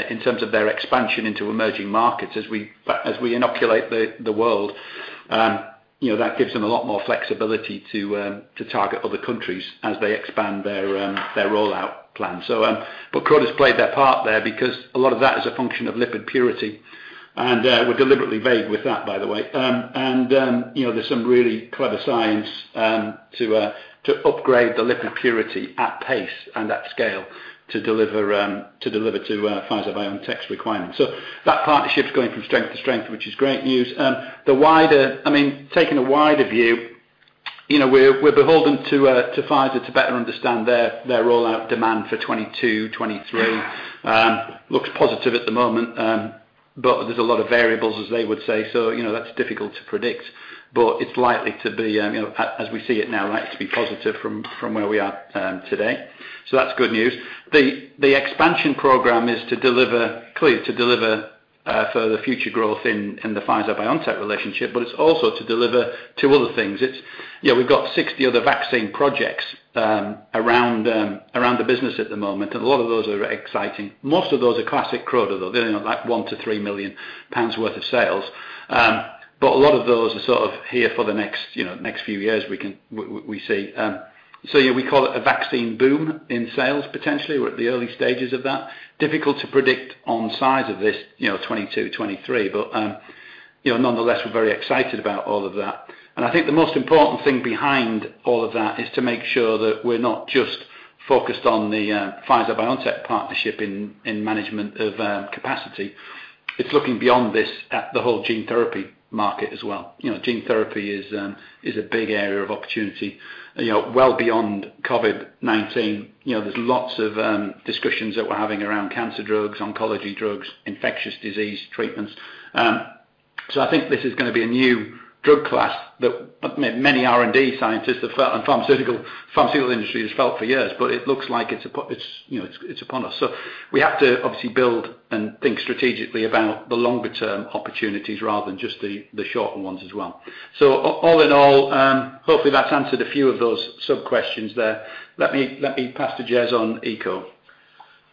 in terms of their expansion into emerging markets as we inoculate the world. That gives them a lot more flexibility to target other countries as they expand their rollout plan. Croda's played their part there because a lot of that is a function of lipid purity, and we're deliberately vague with that, by the way. There's some really clever science to upgrade the lipid purity at pace and at scale to deliver to Pfizer/BioNTech's requirements. That partnership's going from strength to strength, which is great news. Taking a wider view, we're beholden to Pfizer to better understand their rollout demand for 2022, 2023. Looks positive at the moment, but there's a lot of variables, as they would say, so that's difficult to predict. It's likely to be, as we see it now, likely to be positive from where we are today. That's good news. The expansion program is clearly to deliver further future growth in the Pfizer/BioNTech relationship, it's also to deliver two other things. We've got 60 other vaccine projects around the business at the moment, a lot of those are exciting. Most of those are classic Croda, though. They're only like 1 million-3 million pounds worth of sales. A lot of those are sort of here for the next few years, we see. Yeah, we call it a vaccine boom in sales, potentially. We're at the early stages of that. Difficult to predict on size of this 2022, 2023. Nonetheless, we're very excited about all of that. I think the most important thing behind all of that is to make sure that we're not just focused on the Pfizer/BioNTech partnership in management of capacity. It's looking beyond this at the whole gene therapy market as well. Gene therapy is a big area of opportunity well beyond COVID-19. There's lots of discussions that we're having around cancer drugs, oncology drugs, infectious disease treatments. I think this is gonna be a new drug class that many R&D scientists and pharmaceutical industry has felt for years, it looks like it's upon us. We have to obviously build and think strategically about the longer-term opportunities rather than just the shorter ones as well. All in all, hopefully that's answered a few of those sub-questions there. Let me pass to Jez on ECO.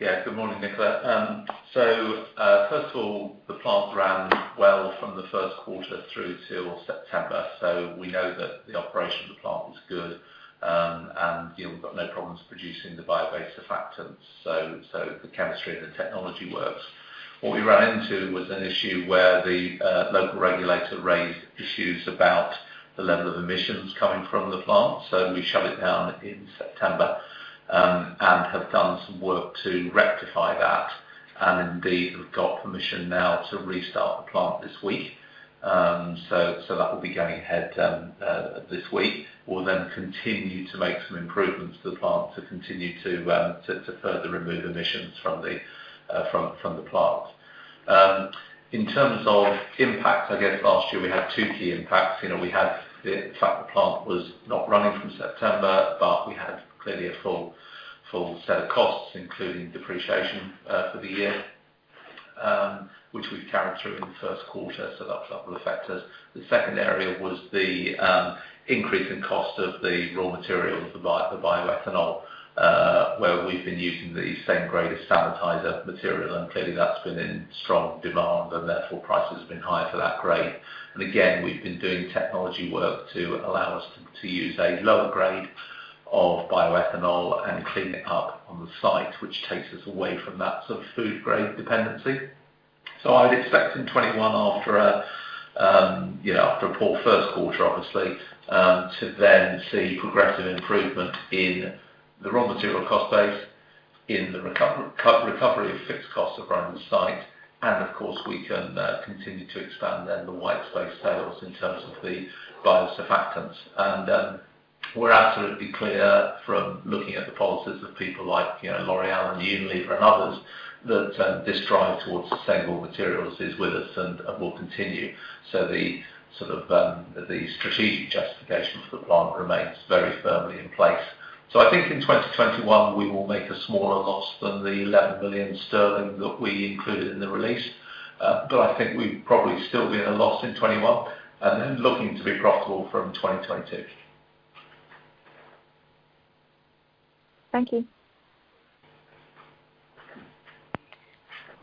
Yeah. Good morning, Nicola. First of all, the plant ran well from the first quarter through till September. We know that the operation of the plant was good. We've got no problems producing the bio-based surfactants. The chemistry and the technology works. What we ran into was an issue where the local regulator raised issues about the level of emissions coming from the plant, so we shut it down in September, and have done some work to rectify that, and indeed, we've got permission now to restart the plant this week. That will be going ahead this week. We'll then continue to make some improvements to the plant to continue to further remove emissions from the plant. In terms of impact, I guess last year we had two key impacts. We had the fact the plant was not running from September, but we had clearly a full set of costs, including depreciation for the year, which we've carried through in the first quarter. That will affect us. The second area was the increase in cost of the raw materials, the bioethanol, where we've been using the same grade as sanitizer material, and clearly that's been in strong demand, and therefore price has been higher for that grade. Again, we've been doing technology work to allow us to use a lower grade of bioethanol and clean it up on the site, which takes us away from that sort of food grade dependency. I'd expect in 2021 after a poor first quarter, obviously, to then see progressive improvement in the raw material cost base, in the recovery of fixed costs of running the site. Of course we can continue to expand then the white space sales in terms of the biosurfactants. We're absolutely clear from looking at the policies of people like L'Oréal and Unilever and others, that this drive towards sustainable materials is with us and will continue. The strategic justification for the plant remains very firmly in place. I think in 2021, we will make a smaller loss than the 11 million sterling that we included in the release. I think we'd probably still be at a loss in 2021 and looking to be profitable from 2022. Thank you.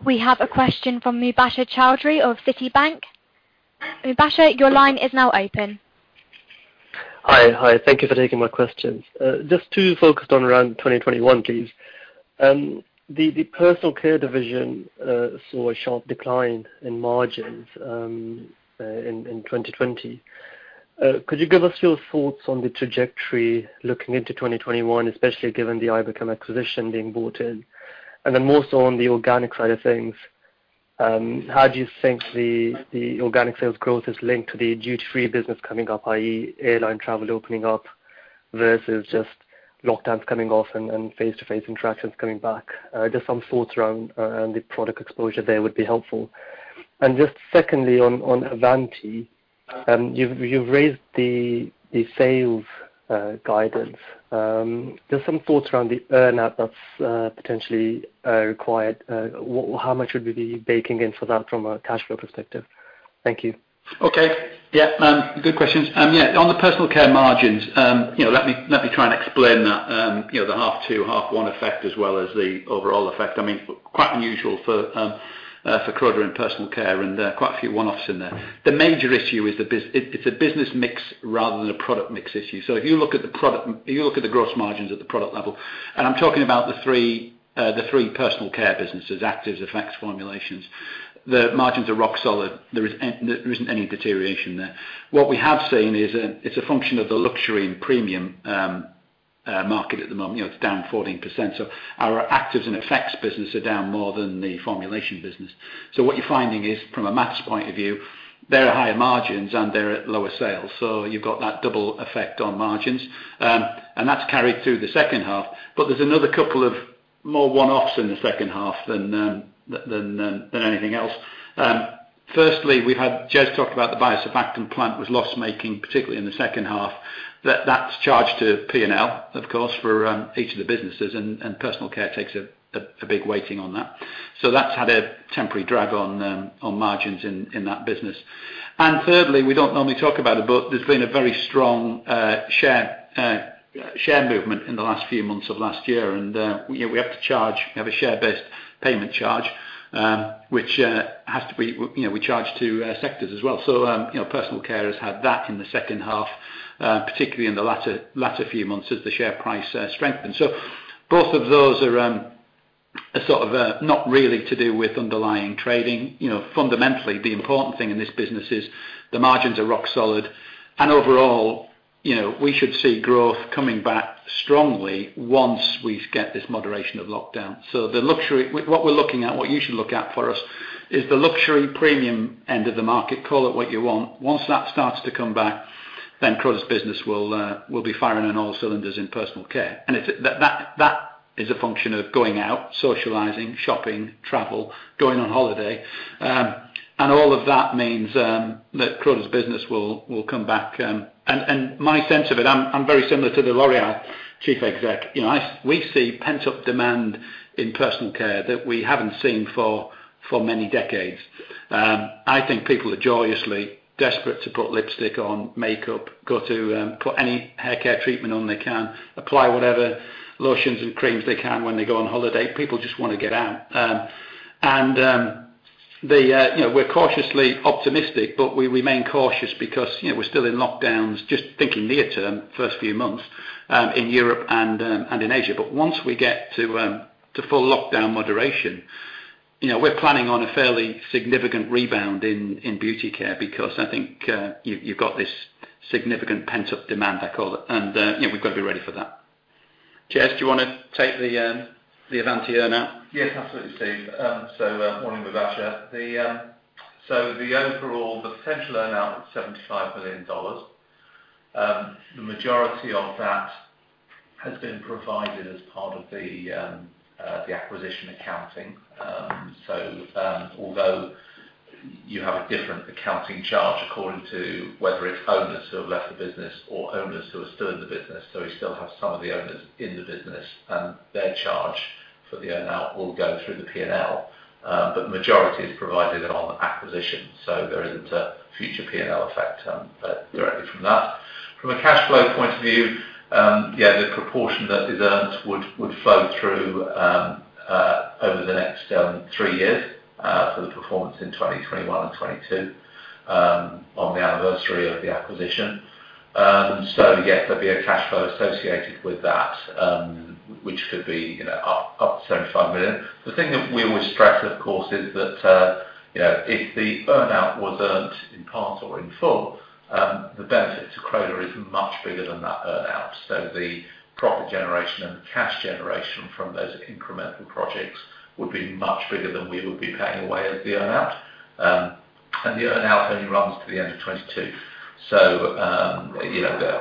We have a question from Mubasher Chaudhry of Citibank. Mubasher, your line is now open. Hi. Thank you for taking my questions. Just two focused on around 2021, please. The Personal Care division saw a sharp decline in margins in 2020. Could you give us your thoughts on the trajectory looking into 2021, especially given the Iberchem acquisition being brought in? More so on the organic side of things, how do you think the organic sales growth is linked to the duty-free business coming up, i.e., airline travel opening up versus just lockdowns coming off and face-to-face interactions coming back? Just some thoughts around the product exposure there would be helpful. Just secondly, on Avanti. You've raised the sales guidance. Just some thoughts around the earn-out that's potentially required. How much should we be baking in for that from a cash flow perspective? Thank you. Okay. Good questions. On the Personal Care margins, let me try and explain that, the half two, half one effect as well as the overall effect. Quite unusual for Croda and Personal Care, there are quite a few one-offs in there. The major issue is it's a business mix rather than a product mix issue. If you look at the gross margins at the product level, I'm talking about the three Personal Care businesses, Actives, Effects, Formulations. The margins are rock solid. There isn't any deterioration there. What we have seen is it's a function of the luxury and premium market at the moment. It's down 14%. Our Actives and Effects business are down more than the Formulation business. What you're finding is from a maths point of view, they're at higher margins and they're at lower sales. You've got that double effect on margins. That's carried through the second half. There's another couple of more one-offs in the second half than anything else. Firstly, we had Jez talk about the biosurfactant plant was loss-making, particularly in the second half. That's charged to P&L, of course, for each of the businesses, and Personal Care takes a big weighting on that. That's had a temporary drag on margins in that business. Thirdly, we don't normally talk about it, but there's been a very strong share movement in the last few months of last year. We have a share-based payment charge which we charge to sectors as well. Personal Care has had that in the second half, particularly in the latter few months as the share price strengthened. Both of those are not really to do with underlying trading. The important thing in this business is the margins are rock solid. Overall, we should see growth coming back strongly once we get this moderation of lockdown. What we're looking at, what you should look at for us is the luxury premium end of the market. Call it what you want. Once that starts to come back, Croda's business will be firing on all cylinders in Personal Care. That is a function of going out, socializing, shopping, travel, going on holiday. All of that means that Croda's business will come back. My sense of it, I'm very similar to the L'Oréal chief exec. We see pent-up demand in Personal Care that we haven't seen for many decades. I think people are joyously desperate to put lipstick on, makeup, put any hair care treatment on they can, apply whatever lotions and creams they can when they go on holiday. People just want to get out. We're cautiously optimistic, but we remain cautious because we're still in lockdowns, just thinking near term, first few months, in Europe and in Asia. Once we get to full lockdown moderation, we're planning on a fairly significant rebound in Beauty Care because I think you've got this significant pent-up demand, I call it, and we've got to be ready for that. Jez, do you want to take the Avanti earn-out? Yes, absolutely, Steve. Morning, Mubasher. The overall potential earn-out was $75 million. The majority of that has been provided as part of the acquisition accounting. Although you have a different accounting charge according to whether it's owners who have left the business or owners who are still in the business, so we still have some of the owners in the business, and their charge for the earn-out will go through the P&L. Majority is provided on acquisition, so there isn't a future P&L effect directly from that. From a cash flow point of view, the proportion that is earned would flow through over the next three years for the performance in 2021 and 2022 on the anniversary of the acquisition. Yes, there'll be a cash flow associated with that, which could be up to $75 million. The thing that we always stress, of course, is that if the earn-out was earned in part or in full, the benefit to Croda is much bigger than that earn-out. The profit generation and the cash generation from those incremental projects would be much bigger than we would be paying away as the earn-out. The earn-out only runs to the end of 2022.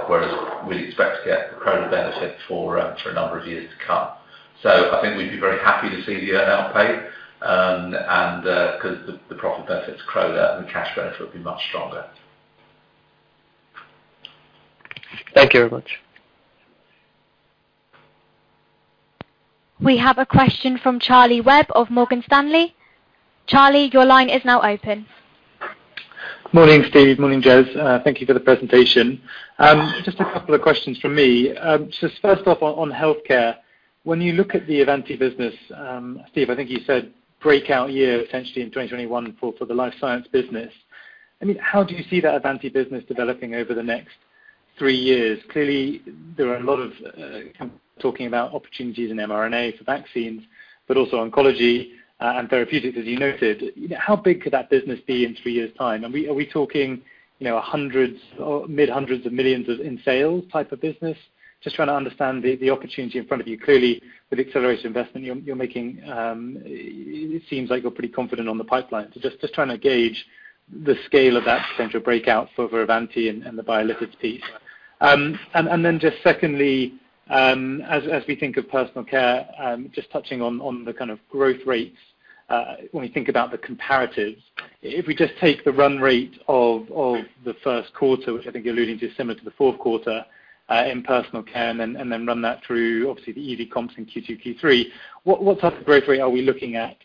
Whereas we expect to get the Croda benefit for a number of years to come. I think we'd be very happy to see the earn-out paid, because the profit benefit to Croda and cash benefit would be much stronger. Thank you very much. We have a question from Charlie Webb of Morgan Stanley. Charlie, your line is now open. Morning, Steve. Morning, Jez. Thank you for the presentation. Just a couple of questions from me. First off, on healthcare, when you look at the Avanti business, Steve, I think you said breakout year potentially in 2021 for the Life Sciences business. How do you see that Avanti business developing over the next three years? Clearly, there are a lot of companies talking about opportunities in mRNA for vaccines, but also oncology and therapeutics, as you noted. How big could that business be in three years' time? Are we talking mid hundreds of millions in sales type of business? Just trying to understand the opportunity in front of you. Clearly, with accelerated investment, it seems like you're pretty confident on the pipeline. Just trying to gauge the scale of that potential breakout for Avanti and the biolipids piece. Just secondly, as we think of Personal Care, just touching on the kind of growth rates, when we think about the comparatives, if we just take the run rate of the first quarter, which I think you're alluding to is similar to the fourth quarter in Personal Care, and then run that through obviously the easy comps in Q2, Q3, what type of growth rate are we looking at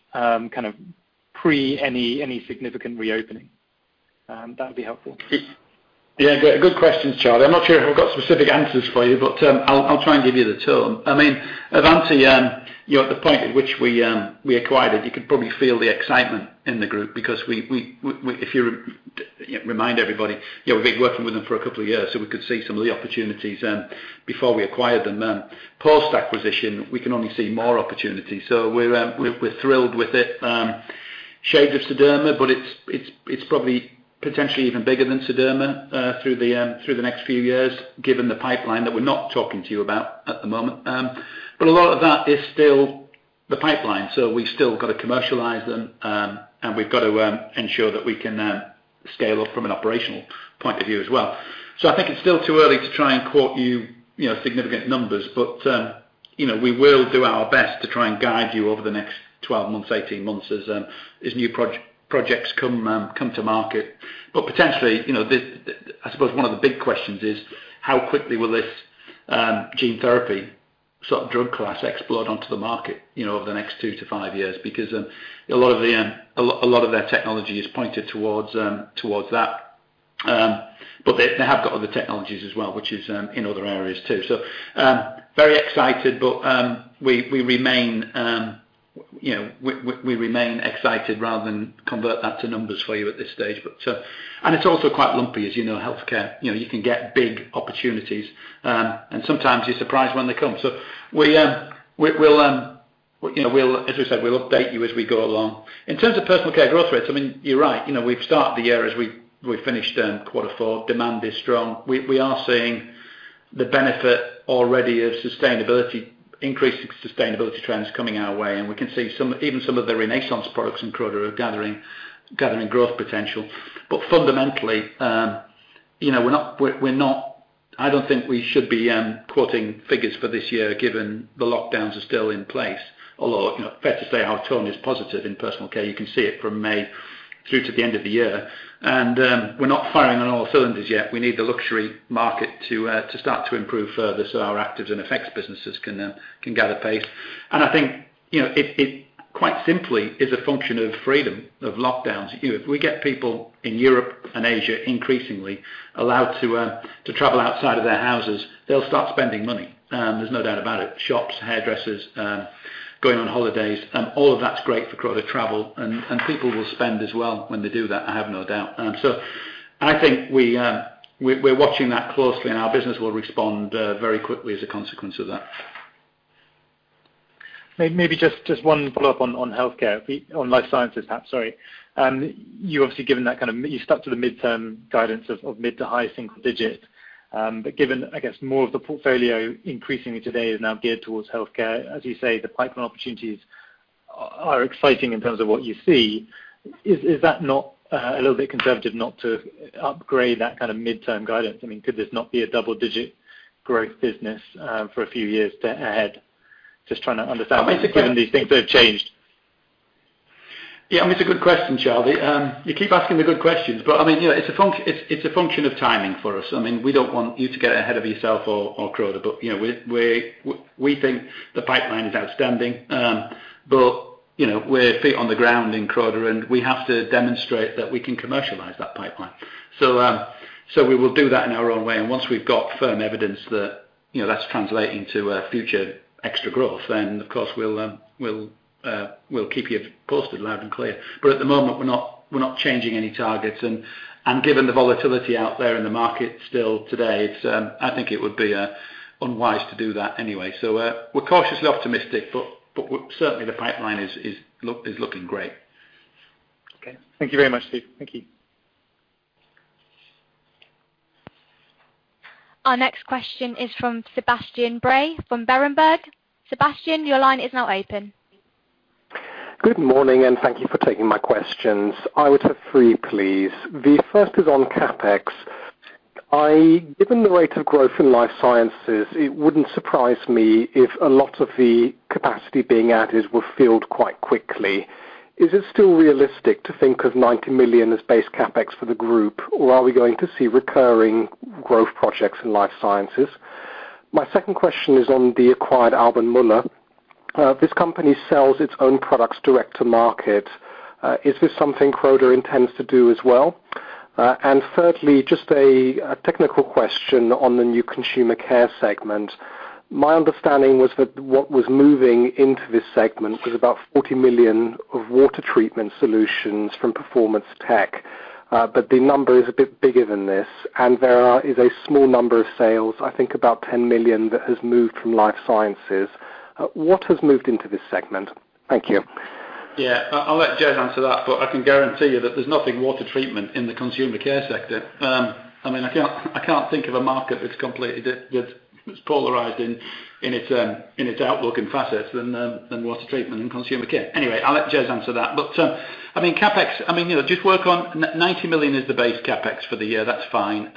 pre any significant reopening? That'd be helpful. Yeah. Good questions, Charlie. I'm not sure if I've got specific answers for you, but I'll try and give you the tour. Avanti, at the point at which we acquired it, you could probably feel the excitement in the group because if you remind everybody, we'd been working with them for a couple of years, so we could see some of the opportunities before we acquired them. Post-acquisition, we can only see more opportunities. We're thrilled with it. Shades of Sederma, but it's probably potentially even bigger than Sederma through the next few years, given the pipeline that we're not talking to you about at the moment. A lot of that is still the pipeline, so we've still got to commercialize them, and we've got to ensure that we can scale up from an operational point of view as well. I think it's still too early to try and quote you significant numbers. We will do our best to try and guide you over the next 12 months, 18 months as new projects come to market. Potentially, I suppose one of the big questions is how quickly will this gene therapy sort of drug class explode onto the market over the next two to five years, because a lot of their technology is pointed towards that. They have got other technologies as well, which is in other areas too. Very excited, but we remain excited rather than convert that to numbers for you at this stage. It's also quite lumpy as you know, healthcare. You can get big opportunities, and sometimes you're surprised when they come. As we said, we'll update you as we go along. In terms of Personal Care growth rates, you're right. We've started the year as we finished in quarter four. Demand is strong. We are seeing the benefit already of increasing sustainability trends coming our way, and we can see even some of the Renaissance products in Croda are gathering growth potential. Fundamentally, I don't think we should be quoting figures for this year given the lockdowns are still in place, although fair to say our tone is positive in Personal Care. You can see it from May through to the end of the year. We're not firing on all cylinders yet. We need the luxury market to start to improve further so our Beauty Actives and Beauty Effects businesses can gather pace. I think it quite simply is a function of freedom of lockdowns. If we get people in Europe and Asia increasingly allowed to travel outside of their houses, they'll start spending money. There's no doubt about it. Shops, hairdressers, going on holidays, all of that's great for Croda, travel, and people will spend as well when they do that, I have no doubt. I think we're watching that closely, and our business will respond very quickly as a consequence of that. Maybe just one follow-up on healthcare, on Life Sciences perhaps, sorry. You obviously stuck to the midterm guidance of mid to high single digit. Given, I guess, more of the portfolio increasingly today is now geared towards healthcare, as you say, the pipeline opportunities are exciting in terms of what you see. Is that not a little bit conservative not to upgrade that kind of midterm guidance? Could this not be a double-digit growth business for a few years ahead? Just trying to understand, given these things that have changed. Yeah, it's a good question, Charlie. You keep asking the good questions. It's a function of timing for us. We don't want you to get ahead of yourself or Croda, we think the pipeline is outstanding. We're feet on the ground in Croda, and we have to demonstrate that we can commercialize that pipeline. We will do that in our own way, and once we've got firm evidence that that's translating to future extra growth, then, of course, we'll keep you posted loud and clear. At the moment, we're not changing any targets. Given the volatility out there in the market still today, I think it would be unwise to do that anyway. We're cautiously optimistic, but certainly the pipeline is looking great. Okay. Thank you very much, Steve. Thank you. Our next question is from Sebastian Bray from Berenberg. Sebastian, your line is now open. Good morning, and thank you for taking my questions. I would have three, please. The first is on CapEx. Given the rate of growth in Life Sciences, it wouldn't surprise me if a lot of the capacity being added were filled quite quickly. Is it still realistic to think of 90 million as base CapEx for the group, or are we going to see recurring growth projects in Life Sciences? My second question is on the acquired Alban Muller. This company sells its own products direct to market. Is this something Croda intends to do as well? Thirdly, just a technical question on the new Consumer Care segment. My understanding was that what was moving into this segment was about 40 million of Water Treatment solutions from Performance Tech. The number is a bit bigger than this. There is a small number of sales, I think about 10 million, that has moved from Life Sciences. What has moved into this segment? Thank you. Yeah, I'll let Jez answer that. I can guarantee you that there's nothing Water Treatment in the Consumer Care sector. I can't think of a market that's completely polarized in its outlook and facets than Water Treatment and Consumer Care. Anyway, I'll let Jez answer that. CapEx, just work on 90 million is the base CapEx for the year. That's fine.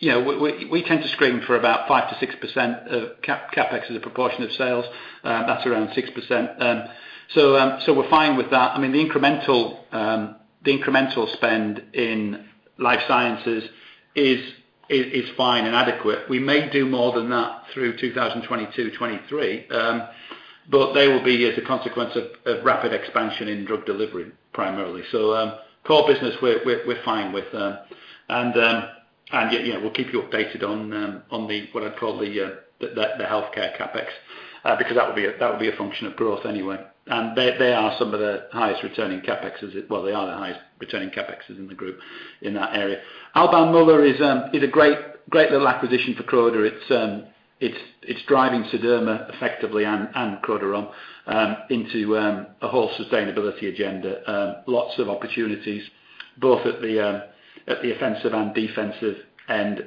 We tend to screen for about 5%-6% of CapEx as a proportion of sales. That's around 6%. We're fine with that. The incremental spend in Life Sciences is fine and adequate. We may do more than that through 2022, 2023, but they will be as a consequence of rapid expansion in drug delivery, primarily. Core business, we're fine with. We'll keep you updated on what I'd call the healthcare CapEx, because that would be a function of growth anyway. They are some of the highest returning CapExes. Well, they are the highest returning CapExes in the group in that area. Alban Muller is a great little acquisition for Croda. It's driving Sederma effectively and Crodarom into a whole sustainability agenda. Lots of opportunities both at the offensive and defensive end.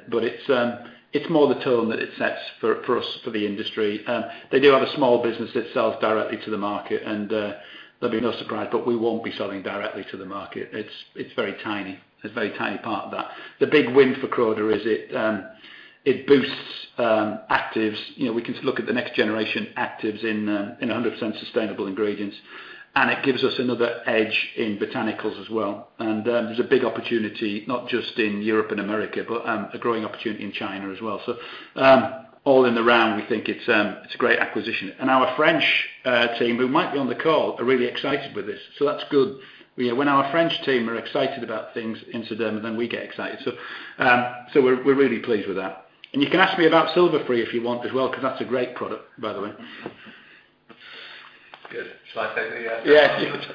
It's more the tone that it sets for us, for the industry. They do have a small business that sells directly to the market, and there'll be no surprise, but we won't be selling directly to the market. It's very tiny. It's a very tiny part of that. The big win for Croda is it boosts actives. We can look at the next-generation actives in 100% sustainable ingredients, and it gives us another edge in botanicals as well. There's a big opportunity, not just in Europe and the America, but a growing opportunity in China as well. All in the round, we think it's a great acquisition. Our French team, who might be on the call, are really excited with this. That's good. When our French team are excited about things in Sederma, we get excited. We're really pleased with that. You can ask me about Silverfree if you want as well, because that's a great product, by the way. Steve, shall I take the— Yeah.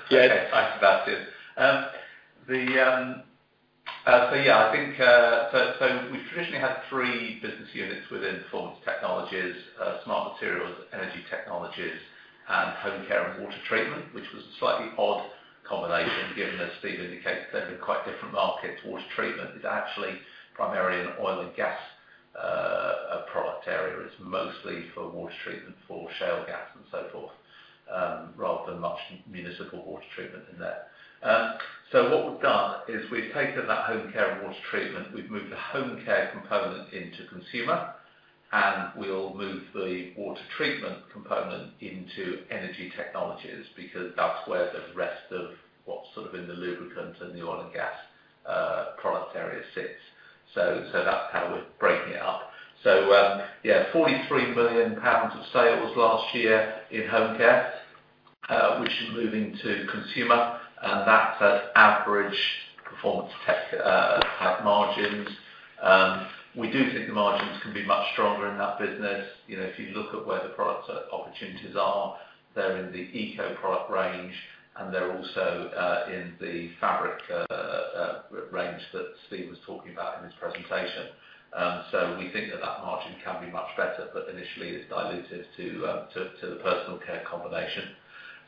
Okay. Thanks, Sebastian. We've traditionally had three business units within Performance Technologies, Smart Materials, Energy Technologies, and Home Care and Water Treatment, which was a slightly odd combination given, as Steve indicated, they're in quite different markets. Water treatment is actually primarily an oil and gas product area. It's mostly for water treatment for shale gas and so forth, rather than much municipal water treatment in there. What we've done is we've taken that Home Care and Water Treatment. We've moved the Home Care component into Consumer Care, and we'll move the water treatment component into Energy Technologies, because that's where the rest of what's sort of in the lubricant and the oil and gas product area sits. That's how we're breaking it up. 43 million pounds of sales last year in home care, which is moving to Consumer Care, and that's at average Performance Tech margins. We do think the margins can be much stronger in that business. If you look at where the product opportunities are, they're in the ECO product range, and they're also in the fabric range that Steve was talking about in his presentation. We think that that margin can be much better, but initially it's dilutive to the Personal Care combination.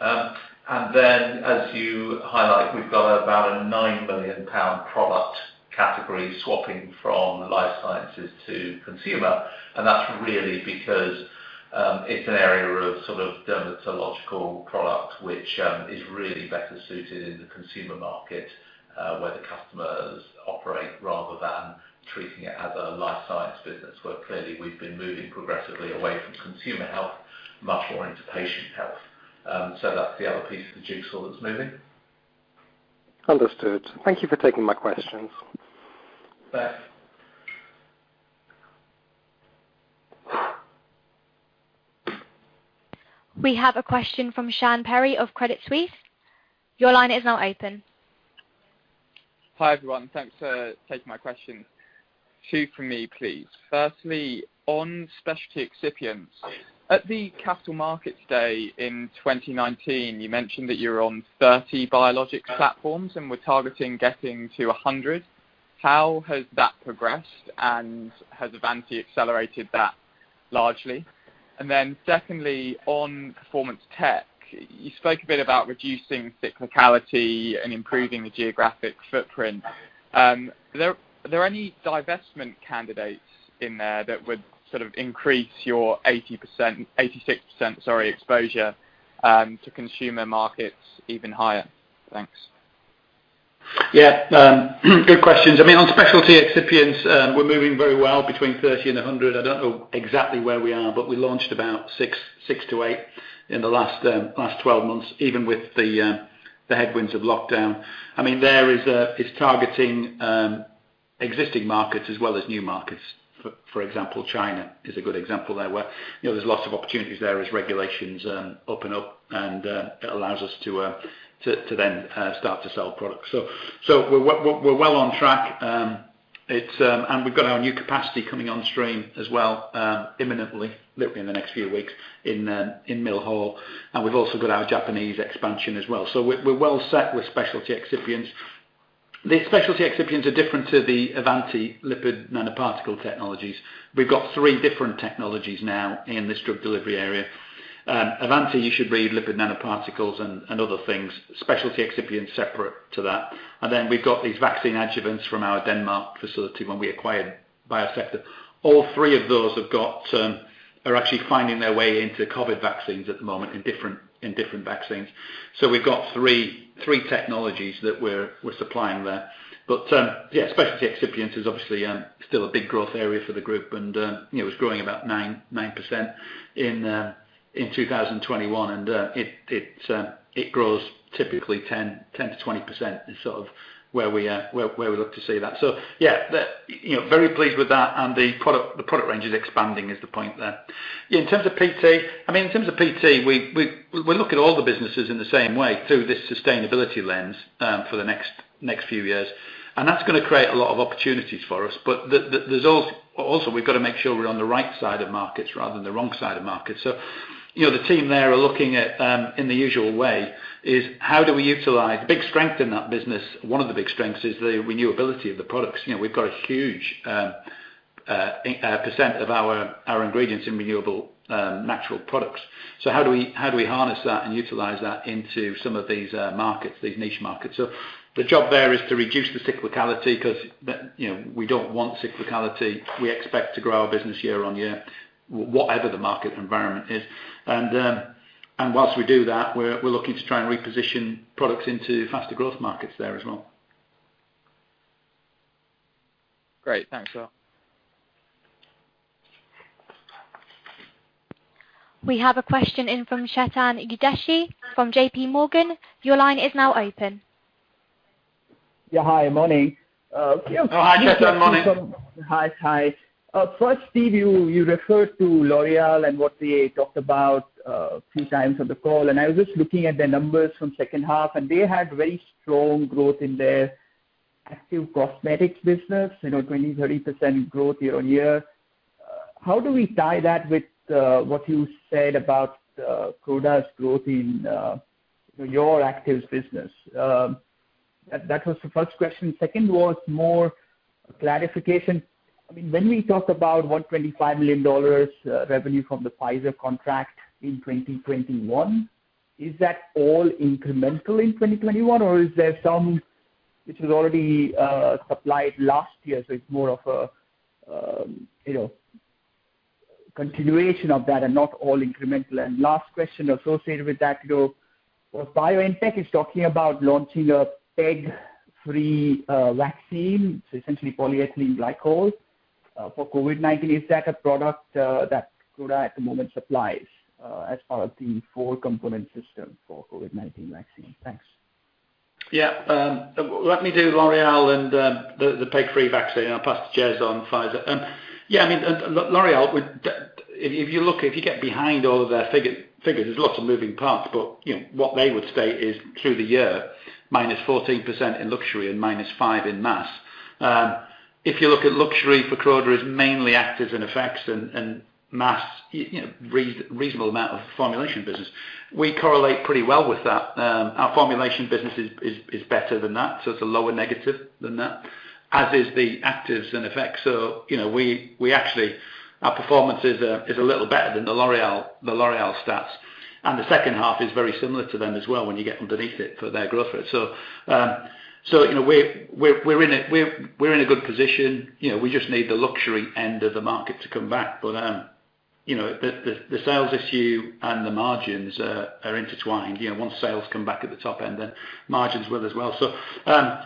As you highlight, we've got about a 9 million pound product. Category swapping from life sciences to consumer. That's really because it's an area of dermatological product, which is really better suited in the consumer market, where the customers operate, rather than treating it as a life sciences business, where clearly we've been moving progressively away from consumer health much more into patient health. That's the other piece of the jigsaw that's moving. Understood. Thank you for taking my questions. Thanks. We have a question from Sam Perry of Credit Suisse. Your line is now open. Hi, everyone. Thanks for taking my questions. Two from me, please. Firstly, on specialty excipients. At the Capital Markets Day in 2019, you mentioned that you're on 30 biologic platforms, we're targeting getting to 100. How has that progressed? Has Avanti accelerated that largely? Secondly, on Performance Tech, you spoke a bit about reducing cyclicality and improving the geographic footprint. Are there any divestment candidates in there that would increase your 86% exposure to consumer markets even higher? Thanks. Yeah. Good questions. On specialty excipients, we're moving very well between 30 and 100. I don't know exactly where we are, we launched about six to eight in the last 12 months, even with the headwinds of lockdown. There is targeting existing markets as well as new markets. For example, China is a good example there, where there's lots of opportunities there as regulations open up, it allows us to then start to sell products. We're well on track. We've got our new capacity coming on stream as well imminently, literally in the next few weeks in Mill Hall. We've also got our Japanese expansion as well. We're well set with specialty excipients. The specialty excipients are different to the Avanti lipid nanoparticle technologies. We've got three different technologies now in this drug delivery area. Avanti, you should read lipid nanoparticles and other things, specialty excipients separate to that. Then we've got these vaccine adjuvants from our Denmark facility when we acquired Biosector. All three of those are actually finding their way into COVID vaccines at the moment in different vaccines. We've got three technologies that we're supplying there. Yeah, specialty excipient is obviously still a big growth area for the group, and it was growing about 9% in 2021. It grows typically 10%-20%, is sort of where we look to see that. Yeah. Very pleased with that. The product range is expanding is the point there. In terms of PT, we look at all the businesses in the same way through this sustainability lens for the next few years, and that's going to create a lot of opportunities for us. We've got to make sure we're on the right side of markets rather than the wrong side of markets. The team there are looking at, in the usual way, is how do we utilize big strength in that business? One of the big strengths is the renewability of the products. We've got a huge percent of our ingredients in renewable natural products. How do we harness that and utilize that into some of these markets, these niche markets? The job there is to reduce the cyclicality because we don't want cyclicality. We expect to grow our business year-on-year, whatever the market environment is. While we do that, we're looking to try and reposition products into faster growth markets there as well. Great. Thanks a lot. We have a question in from Chetan Udeshi from JPMorgan. Your line is now open. Yeah. Hi, morning. Oh, hi, Chetan. Morning. Hi. First, Steve, you referred to L'Oréal and what they talked about a few times on the call, and I was just looking at the numbers from second half, and they had very strong growth in their active cosmetics business, 20%, 30% growth year-on-year. How do we tie that with what you said about Croda's growth in your actives business? That was the first question. Second was more clarification. When we talk about $125 million revenue from the Pfizer contract in 2021, is that all incremental in 2021, or is there some which was already supplied last year, so it's more of a continuation of that and not all incremental? Last question associated with that, BioNTech is talking about launching a PEG-free vaccine, so essentially polyethylene glycol for COVID-19. Is that a product that Croda at the moment supplies as part of the four-component system for COVID-19 vaccine? Thanks. Let me do L'Oréal and the PEG-free vaccine. I'll pass to Jez on Pfizer. L'Oréal, if you get behind all of their figures, there's lots of moving parts, but what they would state is through the year, -14% in luxury and -5% in mass. If you look at luxury for Croda as mainly Beauty Actives and Beauty Effects and mass, reasonable amount of formulation business. We correlate pretty well with that. Our formulation business is better than that, so it's a lower negative than that, as is the Beauty Actives and Beauty Effects. Our performance is a little better than the L'Oréal stats. And the second half is very similar to them as well when you get underneath it for their growth rate. We're in a good position. We just need the luxury end of the market to come back. The sales issue and the margins are intertwined. Sales come back at the top end, margins will as well.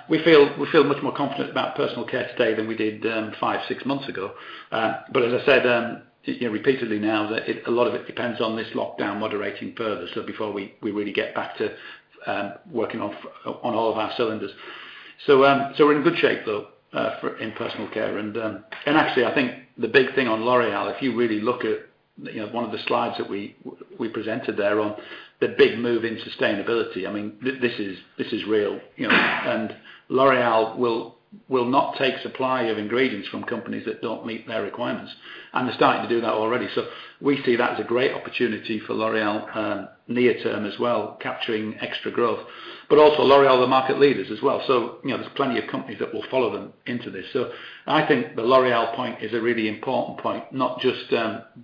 We feel much more confident about Personal Care today than we did five, six months ago. As I said repeatedly now, a lot of it depends on this lockdown moderating further. Before we really get back to working on all of our cylinders. We're in good shape, though, in Personal Care, and actually, I think the big thing on L'Oréal, if you really look at one of the slides that we presented there on the big move in sustainability, this is real. L'Oréal will not take supply of ingredients from companies that don't meet their requirements. They're starting to do that already. We see that as a great opportunity for L'Oréal near term as well, capturing extra growth. Also L'Oréal are market leaders as well, so there's plenty of companies that will follow them into this. I think the L'Oréal point is a really important point, not just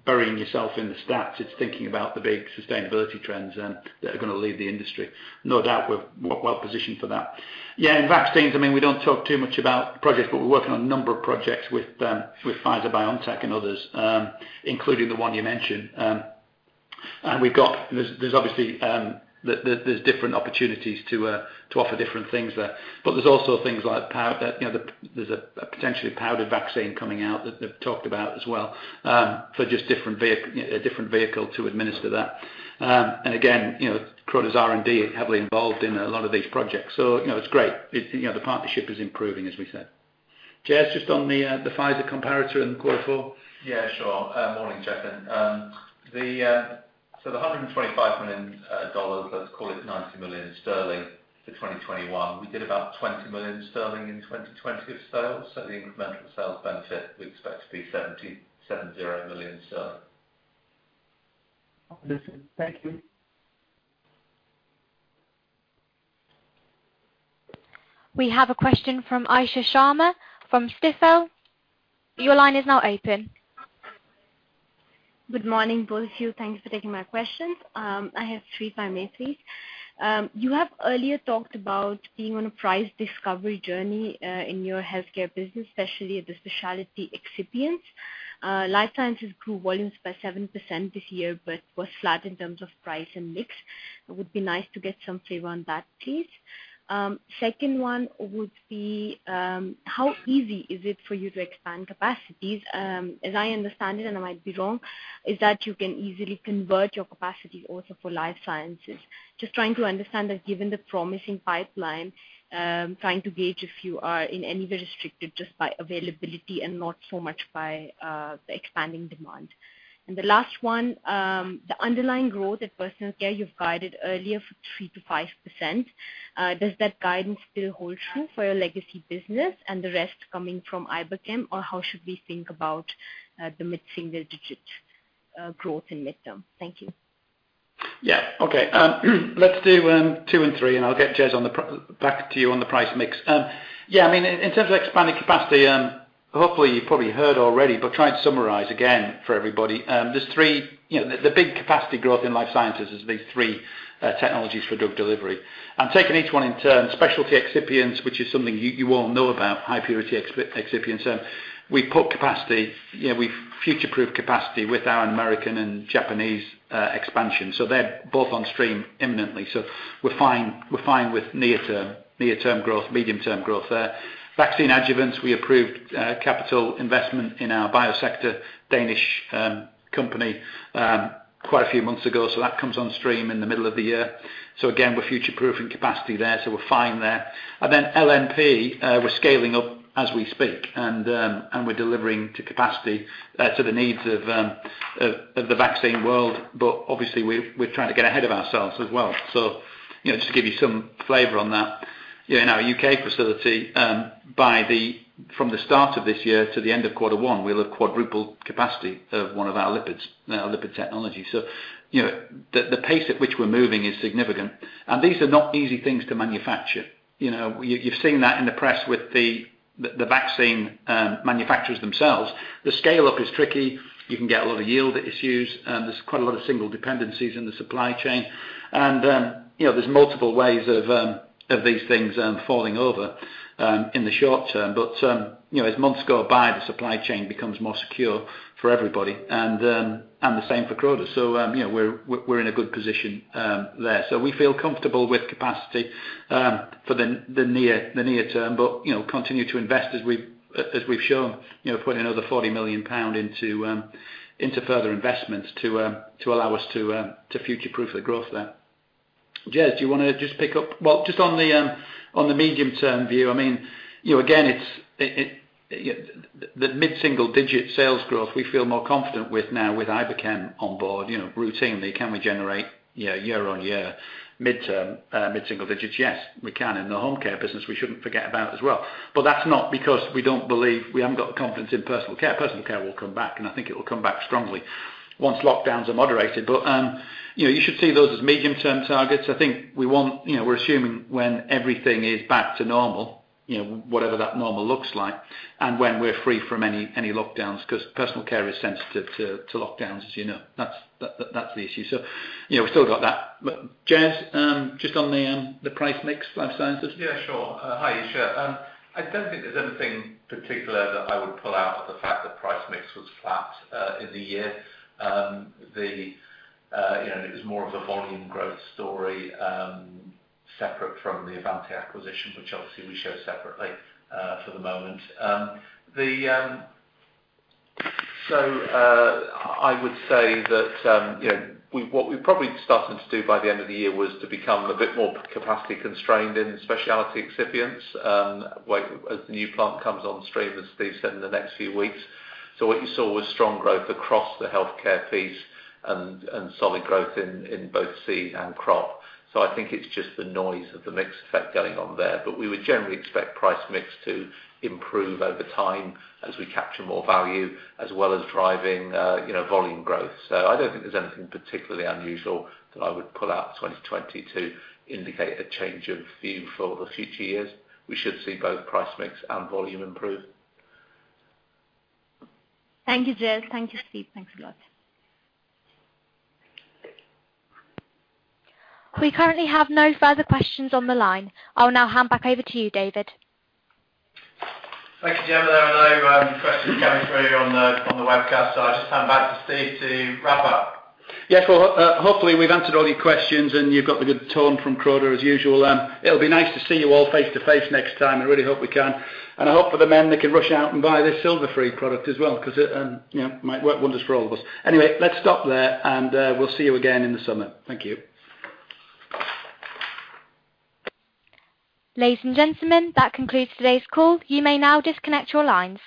burying yourself in the stats, it's thinking about the big sustainability trends that are going to lead the industry. No doubt we're well positioned for that. In vaccines, we don't talk too much about projects, but we're working on a number of projects with Pfizer, BioNTech, and others, including the one you mentioned. There's different opportunities to offer different things there. There's also things like there's a potentially powdered vaccine coming out that they've talked about as well, for just a different vehicle to administer that. Again, Croda's R&D is heavily involved in a lot of these projects, so it's great. The partnership is improving, as we said. Jez, just on the Pfizer comparator in quarter four. Yeah, sure. Morning, Chetan. The $125 million, let's call it 90 million sterling for 2021. We did about 20 million sterling in 2020 of sales, so the incremental sales benefit we expect to be 70 million sterling. Wonderful. Thank you. We have a question from Isha Sharma from Stifel. Your line is now open. Good morning, both of you. Thanks for taking my questions. I have three, if I may please. You have earlier talked about being on a price discovery journey in your healthcare business, especially the specialty excipients. Life Sciences grew volumes by 7% this year, but was flat in terms of price and mix. It would be nice to get some flavor on that, please. Second one would be, how easy is it for you to expand capacities? As I understand it, I might be wrong, is that you can easily convert your capacity also for Life Sciences. Just trying to understand that given the promising pipeline, trying to gauge if you are in any way restricted just by availability and not so much by the expanding demand. The last one, the underlying growth at Personal Care, you've guided earlier for 3%-5%. Does that guidance still hold true for your legacy business and the rest coming from Iberchem? How should we think about the mid-single-digit growth in midterm? Thank you. Yeah. Okay. Let's do two and three. I'll get Jez back to you on the price mix. Yeah, in terms of expanding capacity, hopefully you've probably heard already, try and summarize again for everybody. The big capacity growth in Life Sciences is these three technologies for drug delivery. Taking each one in turn, specialty excipients, which is something you all know about, high purity excipients. We future-proofed capacity with our American and Japanese expansion. They're both on stream imminently, we're fine with near-term growth, medium-term growth there. Vaccine adjuvants, we approved capital investment in our Biosector Danish company quite a few months ago, that comes on stream in the middle of the year. Again, we're future-proofing capacity there, we're fine there. LNP, we're scaling up as we speak, and we're delivering to capacity to the needs of the vaccine world. Obviously we're trying to get ahead of ourselves as well. Just to give you some flavor on that, in our U.K. facility, from the start of this year to the end of quarter one, we'll have quadrupled capacity of one of our lipid technologies. The pace at which we're moving is significant, and these are not easy things to manufacture. You've seen that in the press with the vaccine manufacturers themselves. The scale-up is tricky. You can get a lot of yield issues. There's quite a lot of single dependencies in the supply chain. There's multiple ways of these things falling over in the short term. As months go by, the supply chain becomes more secure for everybody and the same for Croda. We're in a good position there. We feel comfortable with capacity for the near term, but continue to invest as we've shown, putting another 40 million pound into further investments to allow us to future-proof the growth there. Jez, do you want to just pick up? Just on the medium-term view, again, the mid-single-digit sales growth we feel more confident with now with Iberchem on board. Routinely, can we generate year on year, mid-term, mid-single-digits? Yes, we can. In the Home Care business, we shouldn't forget about as well. That's not because we haven't got the confidence in Personal Care. Personal Care will come back, and I think it will come back strongly once lockdowns are moderated. You should see those as medium-term targets. I think we're assuming when everything is back to normal. Whatever that normal looks like, and when we're free from any lockdowns, because Personal Care is sensitive to lockdowns, as you know. That's the issue. We've still got that. Jez, just on the price mix, Life Sciences? Yeah, sure. Hi, Isha. I don't think there's anything particular that I would pull out of the fact that price mix was flat in the year. It was more of a volume growth story, separate from the Avanti acquisition, which obviously we show separately for the moment. I would say that what we probably started to do by the end of the year was to become a bit more capacity constrained in specialty excipients, as the new plant comes on stream, as Steve said, in the next few weeks. What you saw was strong growth across the healthcare piece and solid growth in both seed and crop. I think it's just the noise of the mix effect going on there. We would generally expect price mix to improve over time as we capture more value, as well as driving volume growth. I don't think there's anything particularly unusual that I would pull out 2020 to indicate a change of view for the future years. We should see both price mix and volume improve. Thank you, Jez. Thank you, Steve. Thanks a lot. We currently have no further questions on the line. I'll now hand back over to you, David. Thank you, Gemma. There are no questions coming through on the webcast, so I just hand back to Steve to wrap up. Yes. Hopefully we've answered all your questions and you've got the good tone from Croda as usual. It'll be nice to see you all face-to-face next time, I really hope we can. I hope for the men they can rush out and buy this Silverfree product as well, because it might work wonders for all of us. Let's stop there, and we'll see you again in the summer. Thank you. Ladies and gentlemen, that concludes today's call. You may now disconnect your lines.